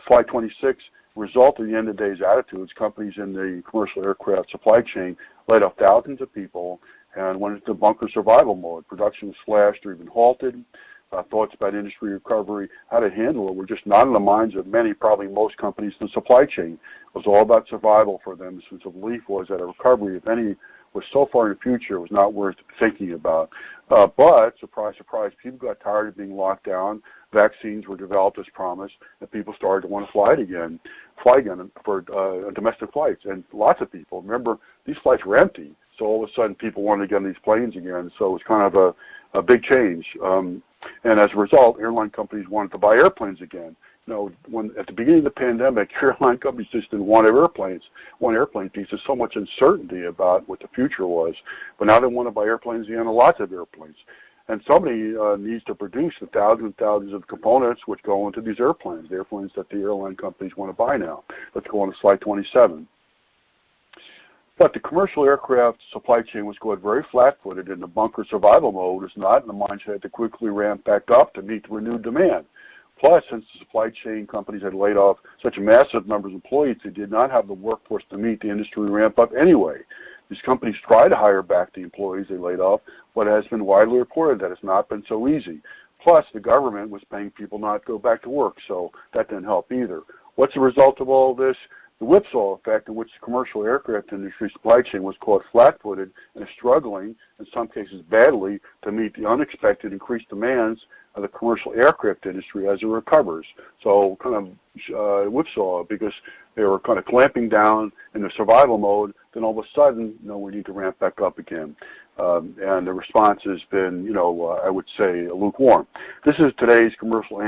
Slide 26. Result of the end-of-days attitudes. Companies in the commercial aircraft supply chain laid off thousands of people and went into bunker survival mode. Production was slashed or even halted. Thoughts about industry recovery, how to handle it, were just not in the minds of many, probably most companies in the supply chain. It was all about survival for them since the belief was that a recovery, if any, was so far in the future, it was not worth thinking about. Surprise, surprise, people got tired of being locked down. Vaccines were developed as promised, and people started to want to fly again for domestic flights. Lots of people. Remember, these flights were empty, so all of a sudden, people wanted to get on these planes again. It was kind of a big change. As a result, airline companies wanted to buy airplanes again. At the beginning of the pandemic, airline companies just didn't want airplanes. Wanted airplane pieces. Much uncertainty about what the future was. Now they want to buy airplanes again, and lots of airplanes. Somebody needs to produce the thousands and thousands of components which go into these airplanes, the airplanes that the airline companies want to buy now. Let's go on to slide 27. The commercial aircraft supply chain was caught very flat-footed, and the bunker survival mode was not in the mindset to quickly ramp back up to meet the renewed demand. Since the supply chain companies had laid off such massive numbers of employees, they did not have the workforce to meet the industry ramp-up anyway. These companies tried to hire back the employees they laid off, but it has been widely reported that it's not been so easy. The government was paying people not to go back to work, so that didn't help either. What's the result of all this? The whipsaw effect, in which the commercial aircraft industry supply chain was caught flat-footed and is struggling, in some cases badly, to meet the unexpected increased demands of the commercial aircraft industry as it recovers. Kind of a whipsaw, because they were kind of clamping down in the survival mode, all of a sudden, we need to ramp back up again. The response has been, I would say, lukewarm. This is today's commercial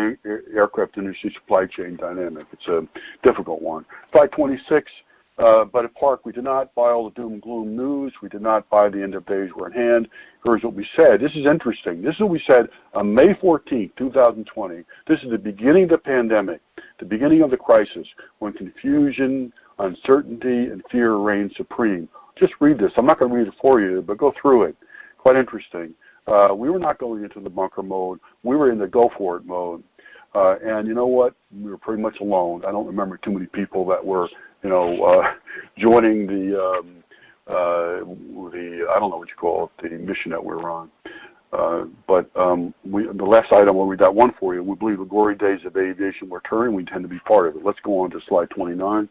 aircraft industry supply chain dynamic. It's a difficult one. Slide 26. At Park, we did not buy all the doom and gloom news. We did not buy the end of days were at hand. Here's what we said. This is interesting. This is what we said on May 14th, 2020. This is the beginning of the pandemic, the beginning of the crisis, when confusion, uncertainty, and fear reigned supreme. Just read this. I'm not going to read it for you, but go through it. Quite interesting. We were not going into the bunker mode. We were in the go-forward mode. You know what? We were pretty much alone. I don't remember too many people that were joining, I don't know what you call it, the mission that we were on. The last item, only got one for you. We believe the glory days of aviation were returning, and we intend to be part of it. Let's go on to slide 29.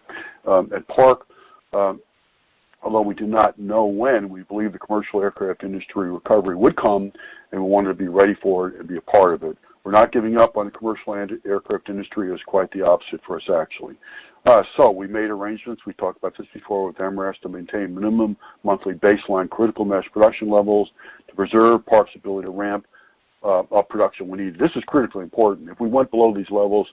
At Park, although we do not know when, we believe the commercial aircraft industry recovery would come. We want to be ready for it and be a part of it. We're not giving up on the commercial aircraft industry, it was quite the opposite for us, actually. We made arrangements, we talked about this before with MRAS to maintain minimum monthly baseline critical mass production levels to preserve Park's ability to ramp up production we need. This is critically important. If we went below these levels,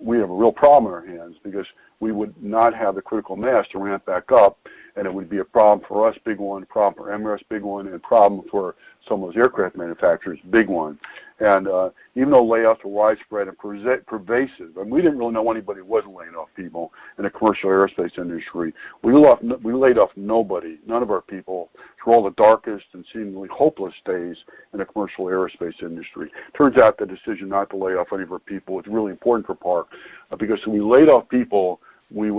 we have a real problem on our hands because we would not have the critical mass to ramp back up and it would be a problem for us, big one, problem for MRAS, big one, and a problem for some of those aircraft manufacturers, big one. Even though layoffs were widespread and pervasive, and we didn't really know anybody who wasn't laying off people in the commercial aerospace industry. We laid off nobody, none of our people, through all the darkest and seemingly hopeless days in the commercial aerospace industry. Turns out the decision not to lay off any of our people is really important for Park. If we laid off people, we'd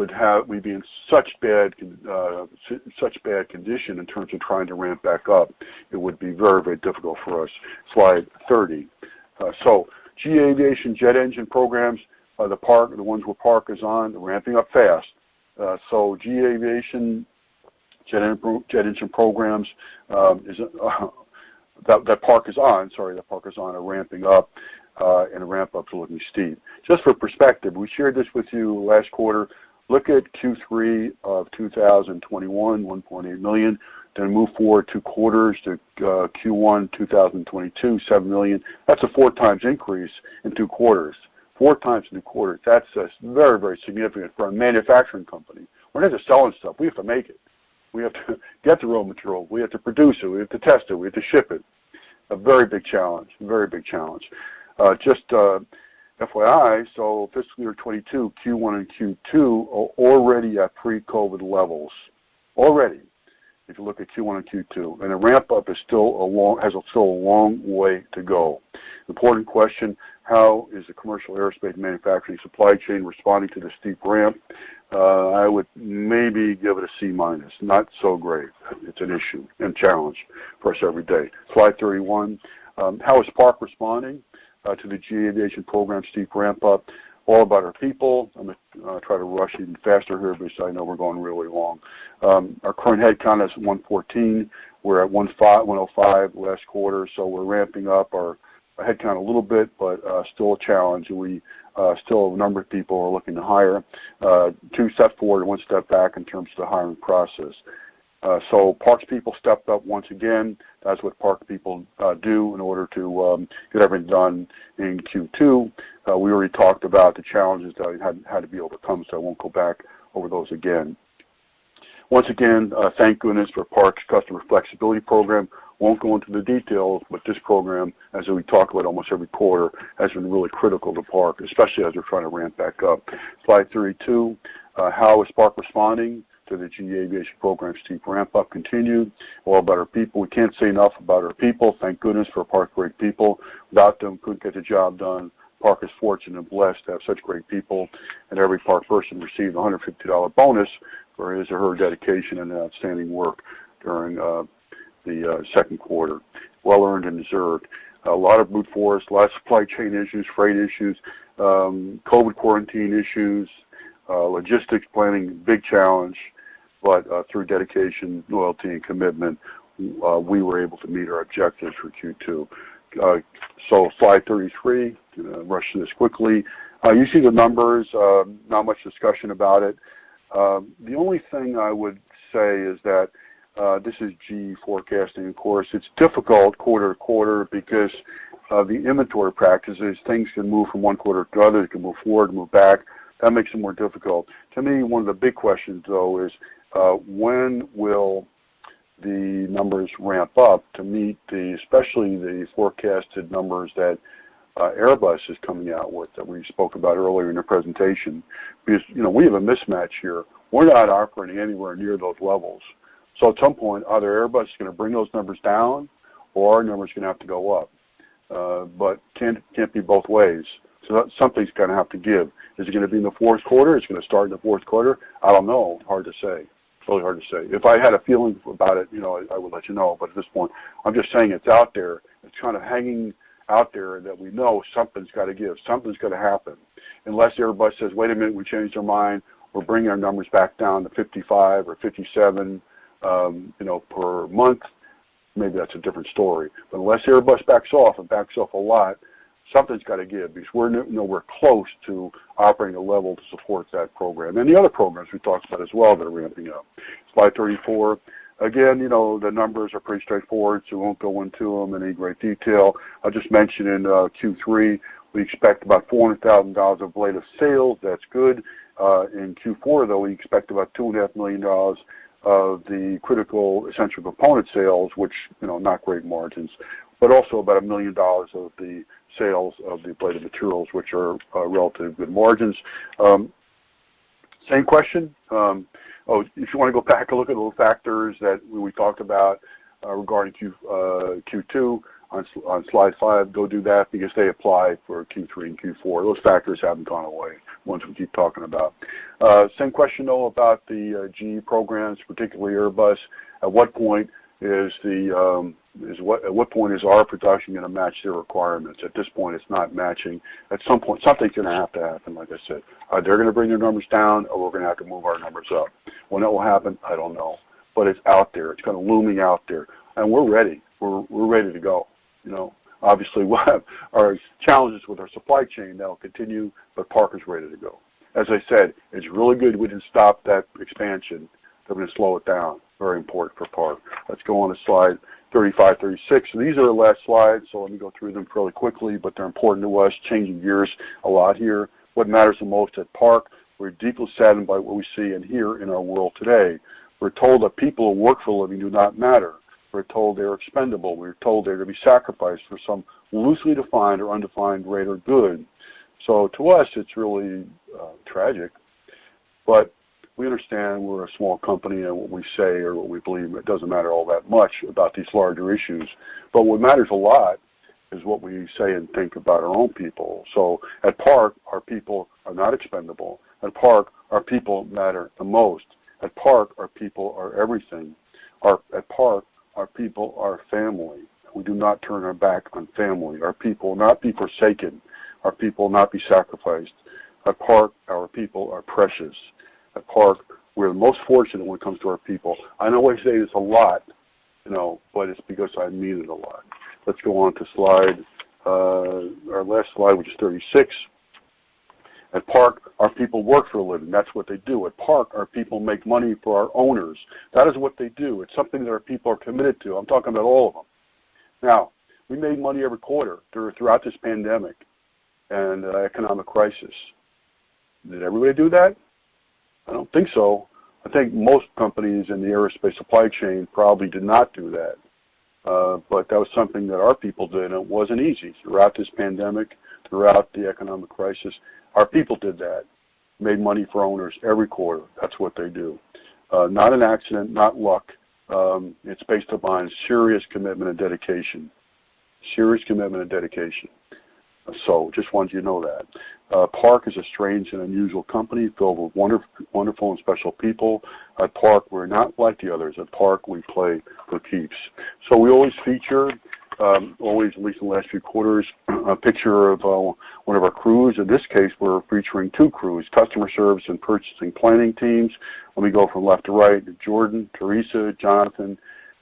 be in such bad condition in terms of trying to ramp back up. It would be very difficult for us. Slide 30. GE Aerospace jet engine programs are the ones where Park is on, they're ramping up fast. GE Aerospace jet engine programs that Park is on are ramping up, and the ramp up is looking steep. Just for perspective, we shared this with you last quarter. Look at Q3 2021, $1.8 million, move forward two quarters to Q1 2022, $7 million. That's a 4x increase in two quarters. 4x in a quarter. That's very significant for a manufacturing company. We're not just selling stuff, we have to make it. We have to get the raw material, we have to produce it, we have to test it, we have to ship it. A very big challenge. Just FYI, fiscal year 2022, Q1 and Q2 are already at pre-COVID levels. Already. If you look at Q1 and Q2. The ramp up has still a long way to go. Important question, how is the commercial aerospace manufacturing supply chain responding to the steep ramp? I would maybe give it a C minus, not so great. It's an issue and challenge for us every day. Slide 31. How is Park responding to the GE Aviation program's steep ramp up? All about our people. I'm going to try to rush even faster here because I know we're going really long. Our current headcount is 114. We were at 105 last quarter, so we're ramping up our headcount a little bit, but still a challenge, and we still have a number of people we are looking to hire. Two steps forward and one step back in terms of the hiring process. Park's people stepped up once again. That's what Park people do in order to get everything done in Q2. We already talked about the challenges that had to be overcome, so I won't go back over those again. Once again, thank goodness for Park's customer flexibility program. Won't go into the details, but this program, as we talk about almost every quarter, has been really critical to Park, especially as we're trying to ramp back up. Slide 32. How is Park responding to the GE Aviation program's steep ramp up continued? All about our people. We can't say enough about our people. Thank goodness for Park's great people. Without them, couldn't get the job done. Park is fortunate and blessed to have such great people. Every Park person received a $150 bonus for his or her dedication and outstanding work during the second quarter. Well earned and deserved. A lot of brute force, a lot of supply chain issues, freight issues, COVID quarantine issues, logistics planning, big challenge, but through dedication, loyalty, and commitment, we were able to meet our objectives for Q2. Slide 33. Rushing this quickly. You see the numbers, not much discussion about it. The only thing I would say is that this is GE forecasting, of course. It is difficult quarter-to-quarter because of the inventory practices. Things can move from one quarter to another. They can move forward, move back. That makes it more difficult. To me, one of the big questions, though, is when will the numbers ramp up to meet, especially the forecasted numbers that Airbus is coming out with, that we spoke about earlier in the presentation. We have a mismatch here. We're not operating anywhere near those levels. At some point, either Airbus is going to bring those numbers down or our numbers are going to have to go up. Can't be both ways. Something's going to have to give. Is it going to be in the fourth quarter? Is it going to start in the fourth quarter? I don't know. Hard to say. It's really hard to say. If I had a feeling about it, I would let you know. At this point, I'm just saying it's out there. It's kind of hanging out there that we know something's got to give. Something's got to happen. Unless Airbus says, "Wait a minute, we changed our mind. We're bringing our numbers back down to 55 or 57 per month." Maybe that's a different story. Unless Airbus backs off and backs off a lot, something's got to give, because we're nowhere close to operating a level to support that program. The other programs we talked about as well that are ramping up. Slide 34. The numbers are pretty straightforward, so we won't go into them in any great detail. I'll just mention in Q3, we expect about $400,000 of blade of sales. That's good. In Q4, though, we expect about $2.5 million of the critical, essential component sales, which, not great margins. Also about $1 million of the sales of the bladed materials, which are relatively good margins. Same question. If you want to go back and look at those factors that we talked about regarding Q2 on slide five, go do that, because they apply for Q3 and Q4. Those factors haven't gone away, the ones we keep talking about. Same question, though, about the GE programs, particularly Airbus. At what point is our production going to match their requirements? At this point, it's not matching. At some point, something's going to have to happen, like I said. They're going to bring their numbers down, or we're going to have to move our numbers up. When that will happen, I don't know. It's out there. It's kind of looming out there. We're ready. We're ready to go. Obviously, we'll have our challenges with our supply chain that will continue, but Park is ready to go. As I said, it's really good we didn't stop that expansion, but we slowed it down. Very important for Park. Let's go on to slide 35, 36. These are the last slides, let me go through them fairly quickly, they're important to us. Changing gears a lot here. What matters the most at Park, we're deeply saddened by what we see and hear in our world today. We're told that people who work for a living do not matter. We're told they're expendable. We're told they're going to be sacrificed for some loosely defined or undefined greater good. To us, it's really tragic, we understand we're a small company, what we say or what we believe, it doesn't matter all that much about these larger issues. What matters a lot is what we say and think about our own people. At Park, our people are not expendable. At Park, our people matter the most. At Park, our people are everything. At Park, our people are family. We do not turn our back on family. Our people will not be forsaken. Our people will not be sacrificed. At Park, our people are precious. At Park, we're most fortunate when it comes to our people. I know I say this a lot, but it's because I mean it a lot. Let's go on to our last slide, which is 36. At Park, our people work for a living. That's what they do. At Park, our people make money for our owners. That is what they do. It's something that our people are committed to. I'm talking about all of them. Now, we made money every quarter throughout this pandemic and economic crisis. Did everybody do that? I don't think so. I think most companies in the aerospace supply chain probably did not do that. That was something that our people did, and it wasn't easy. Throughout this pandemic, throughout the economic crisis, our people did that, made money for owners every quarter. That's what they do. Not an accident, not luck. It's based upon serious commitment and dedication. Serious commitment and dedication. Just wanted you to know that. Park is a strange and unusual company filled with wonderful and special people. At Park, we're not like the others. At Park, we play for keeps. We always feature, always at least in the last few quarters, a picture of one of our crews. In this case, we're featuring two crews, customer service and purchasing planning teams. Let me go from left to right, Jordan, Teresa, Jonathan,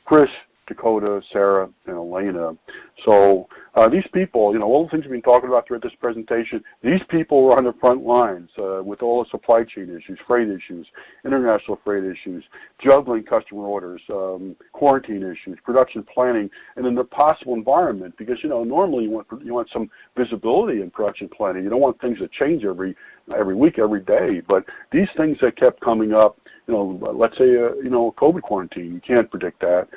Chris, Dakota, Sarah, and Elena. These people, all the things we've been talking about throughout this presentation, these people were on the front lines with all the supply chain issues, freight issues, international freight issues, juggling customer orders, quarantine issues, production planning, and then the possible environment. Normally, you want some visibility in production planning. You don't want things to change every week, every day. These things that kept coming up, let's say, COVID quarantine, you can't predict that.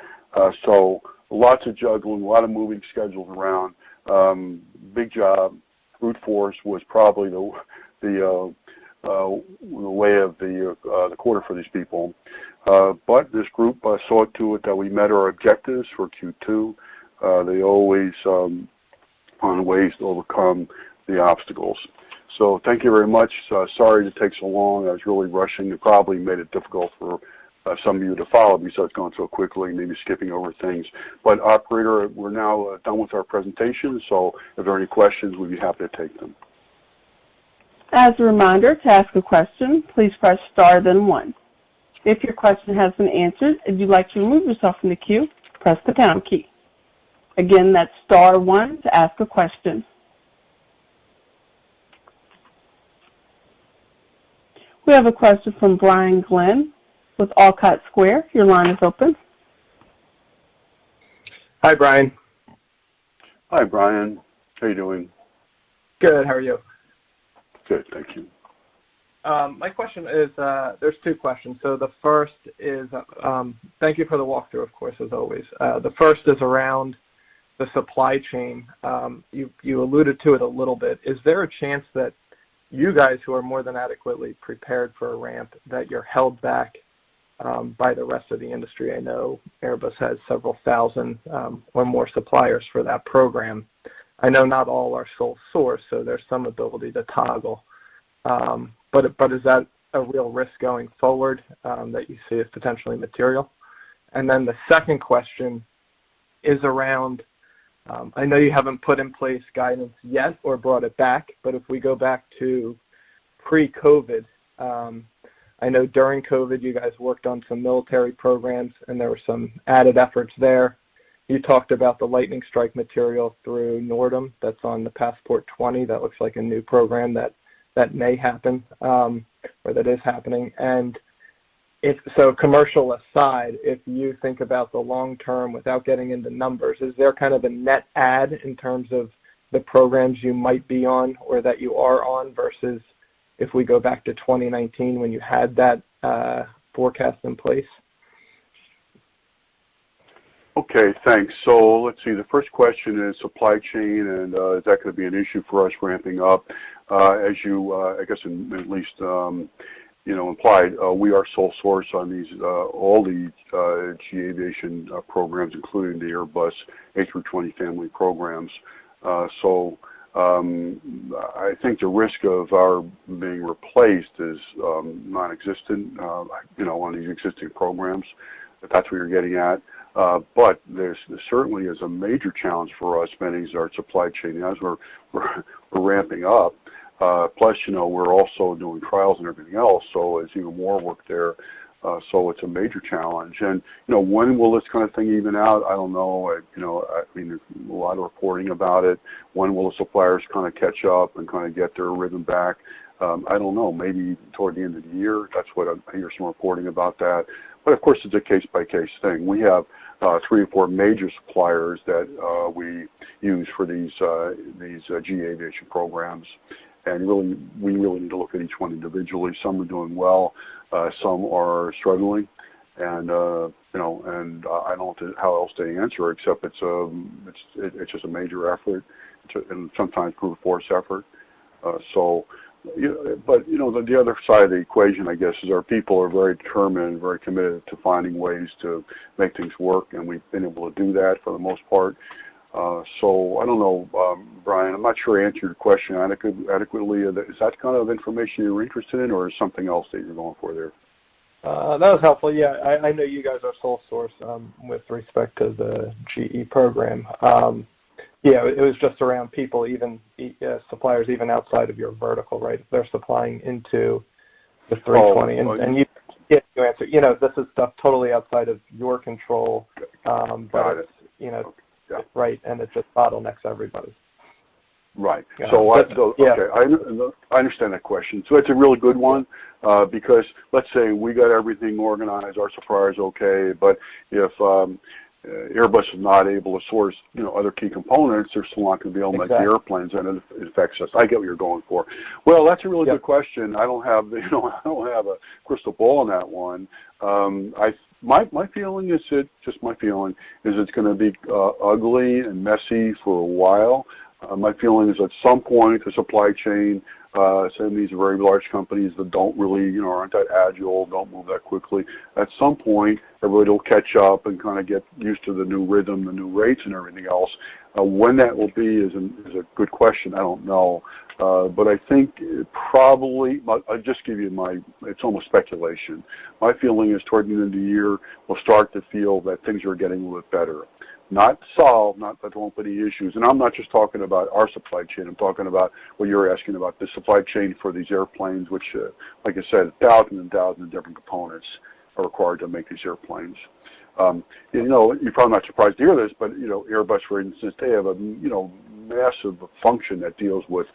Lots of juggling, a lot of moving schedules around. Big job. Brute force was probably the way of the quarter for these people. This group saw to it that we met our objectives for Q2. They always find ways to overcome the obstacles. Thank you very much. Sorry to take so long. I was really rushing. It probably made it difficult for some of you to follow me, since I was going so quickly and maybe skipping over things. Operator, we're now done with our presentation, so if there are any questions, we'd be happy to take them. As a reminder, to ask a question, please press star then one. If your question has been answered and you'd like to remove yourself from the queue, press the pound key. Again, that's star one to ask a question. We have a question from Brian Glenn with Olcott Square. Your line is open. Hi, Brian. Hi, Brian. How are you doing? Good. How are you? Good, thank you. My question is, there's two questions. The first is, thank you for the walkthrough, of course, as always. The first is around the supply chain. You alluded to it a little bit. Is there a chance that you guys, who are more than adequately prepared for a ramp, that you're held back by the rest of the industry? I know Airbus has several thousand or more suppliers for that program. I know not all are sole source, so there's some ability to toggle. Is that a real risk going forward that you see as potentially material? The second question is around, I know you haven't put in place guidance yet or brought it back, but if we go back to pre-COVID, I know during COVID, you guys worked on some military programs, and there were some added efforts there. You talked about the lightning strike material through NORDAM. That's on the Passport 20. That looks like a new program that may happen, or that is happening. If so, commercial aside, if you think about the long term without getting into numbers, is there kind of a net add in terms of the programs you might be on or that you are on versus if we go back to 2019 when you had that forecast in place? Okay, thanks. Let's see. The first question is supply chain, and is that going to be an issue for us ramping up? As you, I guess at least, implied, we are sole source on all these GE Aviation programs, including the Airbus A320 family programs. I think the risk of our being replaced is non-existent on the existing programs. That's what you're getting at. This certainly is a major challenge for us, managing our supply chain as we're ramping up. We're also doing trials and everything else, so it's even more work there. It's a major challenge. When will this kind of thing even out? I don't know. There's a lot of reporting about it. When will the suppliers kind of catch up and kind of get their rhythm back? I don't know. Maybe toward the end of the year. That's what I'm hearing some reporting about that, but of course, it's a case-by-case thing. We have three or four major suppliers that we use for these GE Aviation programs, and we really need to look at each one individually. Some are doing well, some are struggling, and I don't know how else to answer it, except it's just a major effort and sometimes brute force effort. The other side of the equation, I guess, is our people are very determined and very committed to finding ways to make things work, and we've been able to do that for the most part. I don't know, Brian, I'm not sure I answered your question adequately. Is that the kind of information you were interested in, or is something else that you're going for there? That was helpful. Yeah. I know you guys are sole source with respect to the GE program. It was just around people, suppliers even outside of your vertical, right? They're supplying into the 320, you answered. This is stuff totally outside of your control. Got it. It just bottlenecks everybody. Right. I understand that question. It's a really good one, because let's say we got everything organized, our supplier's okay, but if Airbus is not able to source other key components, Airbus cannot build the airplanes, and it affects us. I get what you're going for. That's a really good question. I don't have a crystal ball on that one. My feeling is, it's going to be ugly and messy for a while. My feeling is at some point, the supply chain, some of these very large companies that aren't that agile, don't move that quickly, at some point, everybody will catch up and kind of get used to the new rhythm, the new rates, and everything else. When that will be is a good question. I don't know. I think probably, I'll just give you my, it's almost speculation. My feeling is toward the end of the year, we'll start to feel that things are getting a little better. Not solved, there won't be any issues. I'm not just talking about our supply chain, I'm talking about what you're asking about, the supply chain for these airplanes, which, like I said, thousands and thousands of different components are required to make these airplanes. You're probably not surprised to hear this, Airbus, for instance, they have a massive function that deals with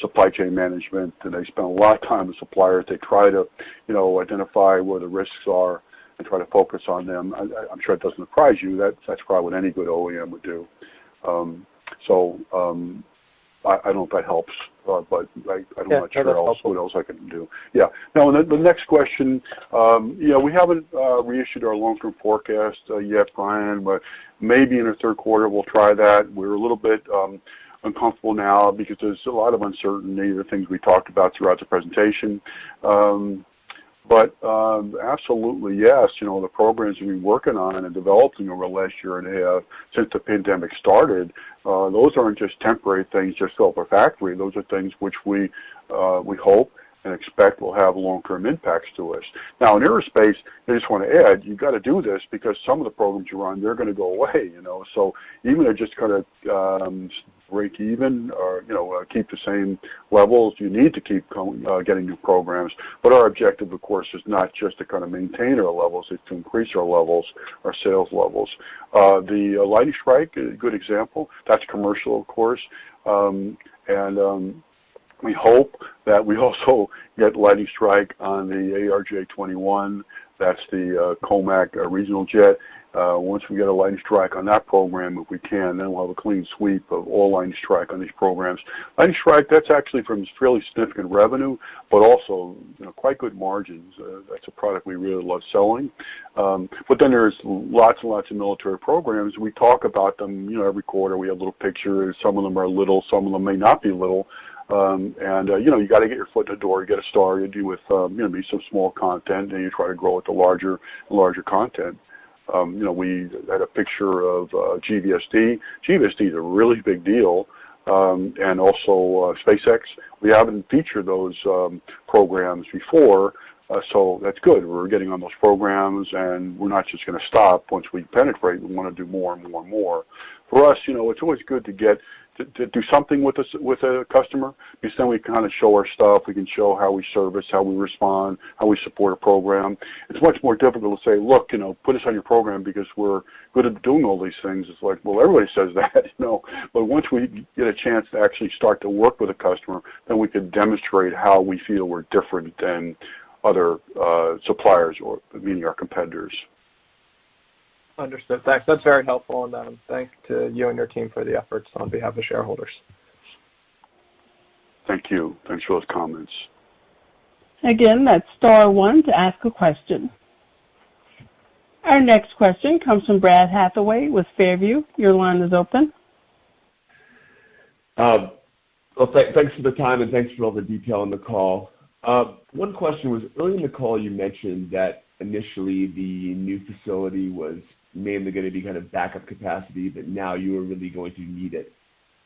supply chain management, and they spend a lot of time with suppliers. They try to identify where the risks are and try to focus on them. I'm sure it doesn't surprise you. That's probably what any good OEM would do. I don't know if that helps, but I don't know what else I can do. Yeah. The next question. We haven't reissued our long-term forecast yet, Brian, but maybe in the third quarter, we'll try that. We're a little bit uncomfortable now because there's a lot of uncertainty, the things we talked about throughout the presentation. Absolutely yes, the programs we've been working on and developing over the last year and a half since the pandemic started, those aren't just temporary things just to fill up our factory. Those are things which we hope and expect will have long-term impacts to us. Now, in aerospace, I just want to add, you got to do this because some of the programs you're on, they're going to go away. Even to just kind of break even or keep the same levels, you need to keep getting new programs. Our objective, of course, is not just to kind of maintain our levels, it's to increase our levels, our sales levels. The lightning strike is a good example. That's commercial, of course, and we hope that we also get lightning strike on the ARJ21. That's the COMAC regional jet. Once we get a lightning strike on that program, if we can, then we'll have a clean sweep of all lightning strike on these programs. Lightning strike, that's actually from fairly significant revenue, but also quite good margins. That's a product we really love selling. There's lots and lots of military programs. We talk about them every quarter. We have little pictures. Some of them are little, some of them may not be little. You got to get your foot in the door to get started. You do with maybe some small content, and you try to grow it to larger and larger content. We had a picture of GBSD. GBSD is a really big deal, and also SpaceX. We haven't featured those programs before, so that's good. We're getting on those programs, and we're not just going to stop once we penetrate. We want to do more and more and more. For us, it's always good to do something with a customer, because then we kind of show our stuff. We can show how we service, how we respond, how we support a program. It's much more difficult to say, "Look, put us on your program because we're good at doing all these things." It's like, well, everybody says that. Once we get a chance to actually start to work with a customer, then we can demonstrate how we feel we're different than other suppliers or our competitors. Understood. Thanks. That's very helpful on that, and thank to you and your team for the efforts on behalf of shareholders. Thank you. Thanks for those comments. Again, that's star one to ask a question. Our next question comes from Brad Hathaway with Far View. Your line is open. Well, thanks for the time, and thanks for all the detail on the call. One question was, early in the call, you mentioned that initially the new facility was mainly going to be kind of backup capacity, but now you are really going to need it.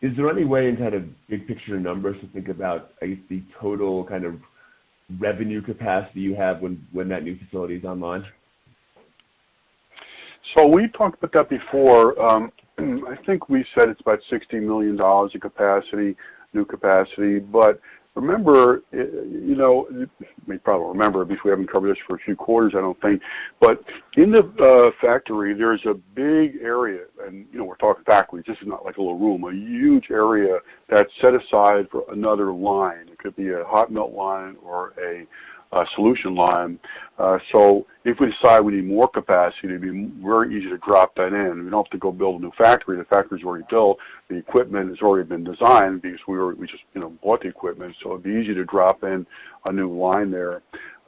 Is there any way in kind of big picture numbers to think about the total kind of revenue capacity you have when that new facility is online? We've talked about that before. I think we said it's about $60 million of new capacity. Remember, you may probably remember, because we haven't covered this for a few quarters, I don't think, but in the factory, there's a big area, and we're talking factory, this is not like a little room, a huge area that's set aside for another line. It could be a hot melt line or a solution line. If we decide we need more capacity, it'd be very easy to drop that in. We don't have to go build a new factory. The factory's already built. The equipment has already been designed because we just bought the equipment, so it'd be easy to drop in a new line there.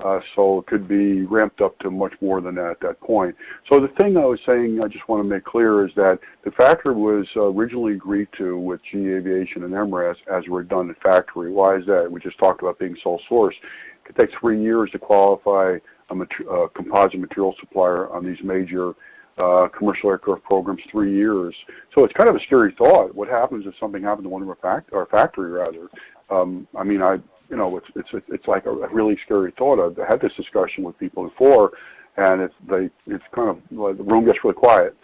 It could be ramped up to much more than that at that point. The thing I was saying, I just want to make clear, is that the factory was originally agreed to with GE Aerospace and Emirates as a redundant factory. Why is that? We just talked about being sole source. It could take three years to qualify a composite material supplier on these major commercial aircraft programs. three years. It's kind of a scary thought. What happens if something happened to 1 of our factories? It's a really scary thought. I've had this discussion with people before, and the room gets really quiet.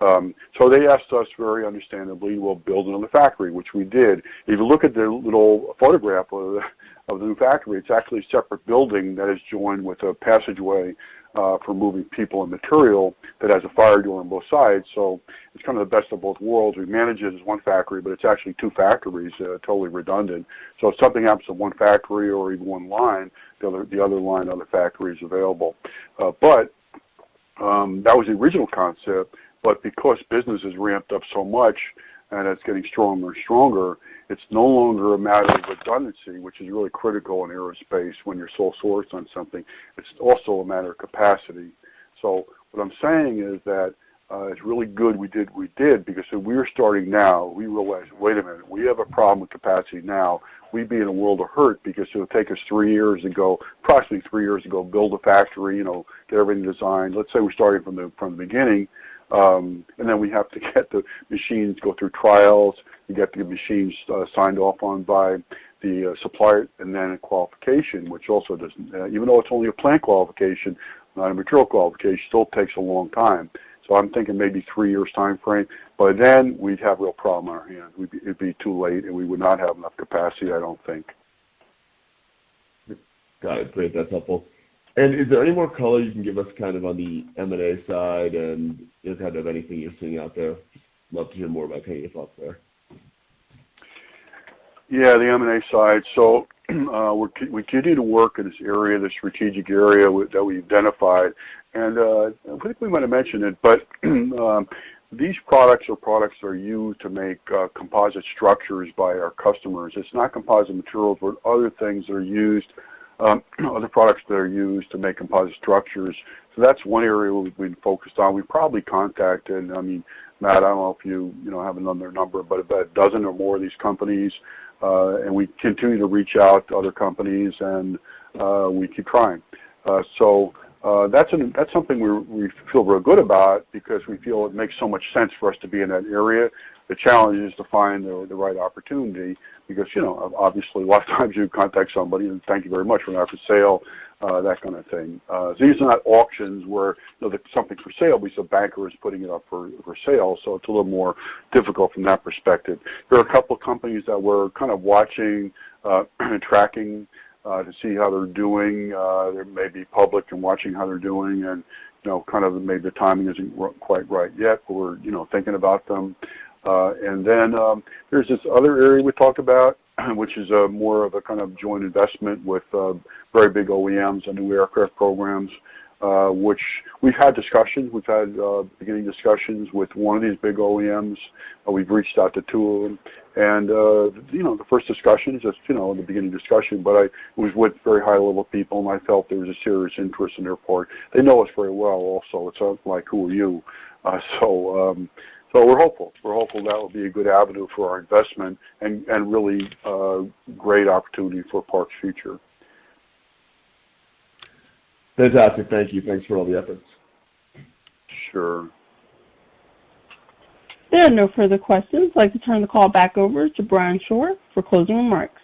They asked us very understandably, well, build another factory, which we did. If you look at the little photograph of the new factory, it's actually a separate building that is joined with a passageway for moving people and material that has a fire door on both sides. It's kind of the best of both worlds. We manage it as one factory, but it's actually two factories, totally redundant. If something happens to one factory or even one line, the other line in the other factory is available. That was the original concept. Because business has ramped up so much, and it's getting stronger and stronger, it's no longer a matter of redundancy, which is really critical in aerospace when you're sole source on something. It's also a matter of capacity. What I'm saying is that it's really good we did what we did because if we were starting now, we realize, wait a minute, we have a problem with capacity now. We'd be in a world of hurt because it would take us approximately three years to go build a factory, get everything designed. Let's say we're starting from the beginning, and then we have to get the machines, go through trials, and get the machines signed off on by the supplier, and then a qualification. Even though it's only a plant qualification, not a material qualification, still takes a long time. I'm thinking maybe three years timeframe. By then, we'd have a real problem on our hands. It'd be too late, and we would not have enough capacity, I don't think. Got it. Great. That's helpful. Is there any more color you can give us kind of on the M&A side and just kind of anything you're seeing out there? Love to hear more about your thoughts there. Yeah, the M&A side. We continue to work in this area, this strategic area that we identified. I think we might have mentioned it, but these products are products that are used to make composite structures by our customers. It's not composite materials, but other things that are used, other products that are used to make composite structures. That's one area we've been focused on. We probably contacted, Matt, I don't know if you have another number, but about a dozen or more of these companies. We continue to reach out to other companies, and we keep trying. That's something we feel real good about because we feel it makes so much sense for us to be in that area. The challenge is to find the right opportunity because, obviously, a lot of times you contact somebody, and thank you very much, we're not for sale, that kind of thing. These are not auctions where something's for sale, because a banker is putting it up for sale, so it's a little more difficult from that perspective. There are a couple of companies that we're kind of watching and tracking to see how they're doing. They may be public and watching how they're doing, and kind of maybe the timing isn't quite right yet, but we're thinking about them. Then there's this other area we talked about, which is more of a kind of joint investment with very big OEMs on new aircraft programs, which we've had discussions. We've had beginning discussions with one of these big OEMs. We've reached out to two of them. The first discussions, just the beginning discussion, but it was with very high-level people, and I felt there was a serious interest on their part. They know us very well also. It's not like, "Who are you?" We're hopeful. We're hopeful that will be a good avenue for our investment and really a great opportunity for Park's future. Fantastic. Thank you. Thanks for all the efforts. Sure. There are no further questions. I'd like to turn the call back over to Brian Shore for closing remarks.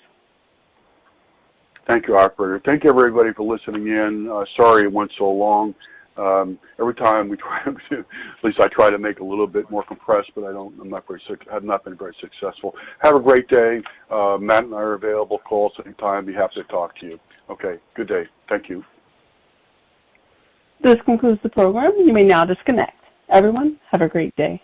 Thank you, operator. Thank you, everybody, for listening in. Sorry it went so long. Every time we try to, at least I try to make it a little bit more compressed, but I have not been very successful. Have a great day. Matt and I are available. Call us any time. Be happy to talk to you. Okay, good day. Thank you. This concludes the program. You may now disconnect. Everyone, have a great day.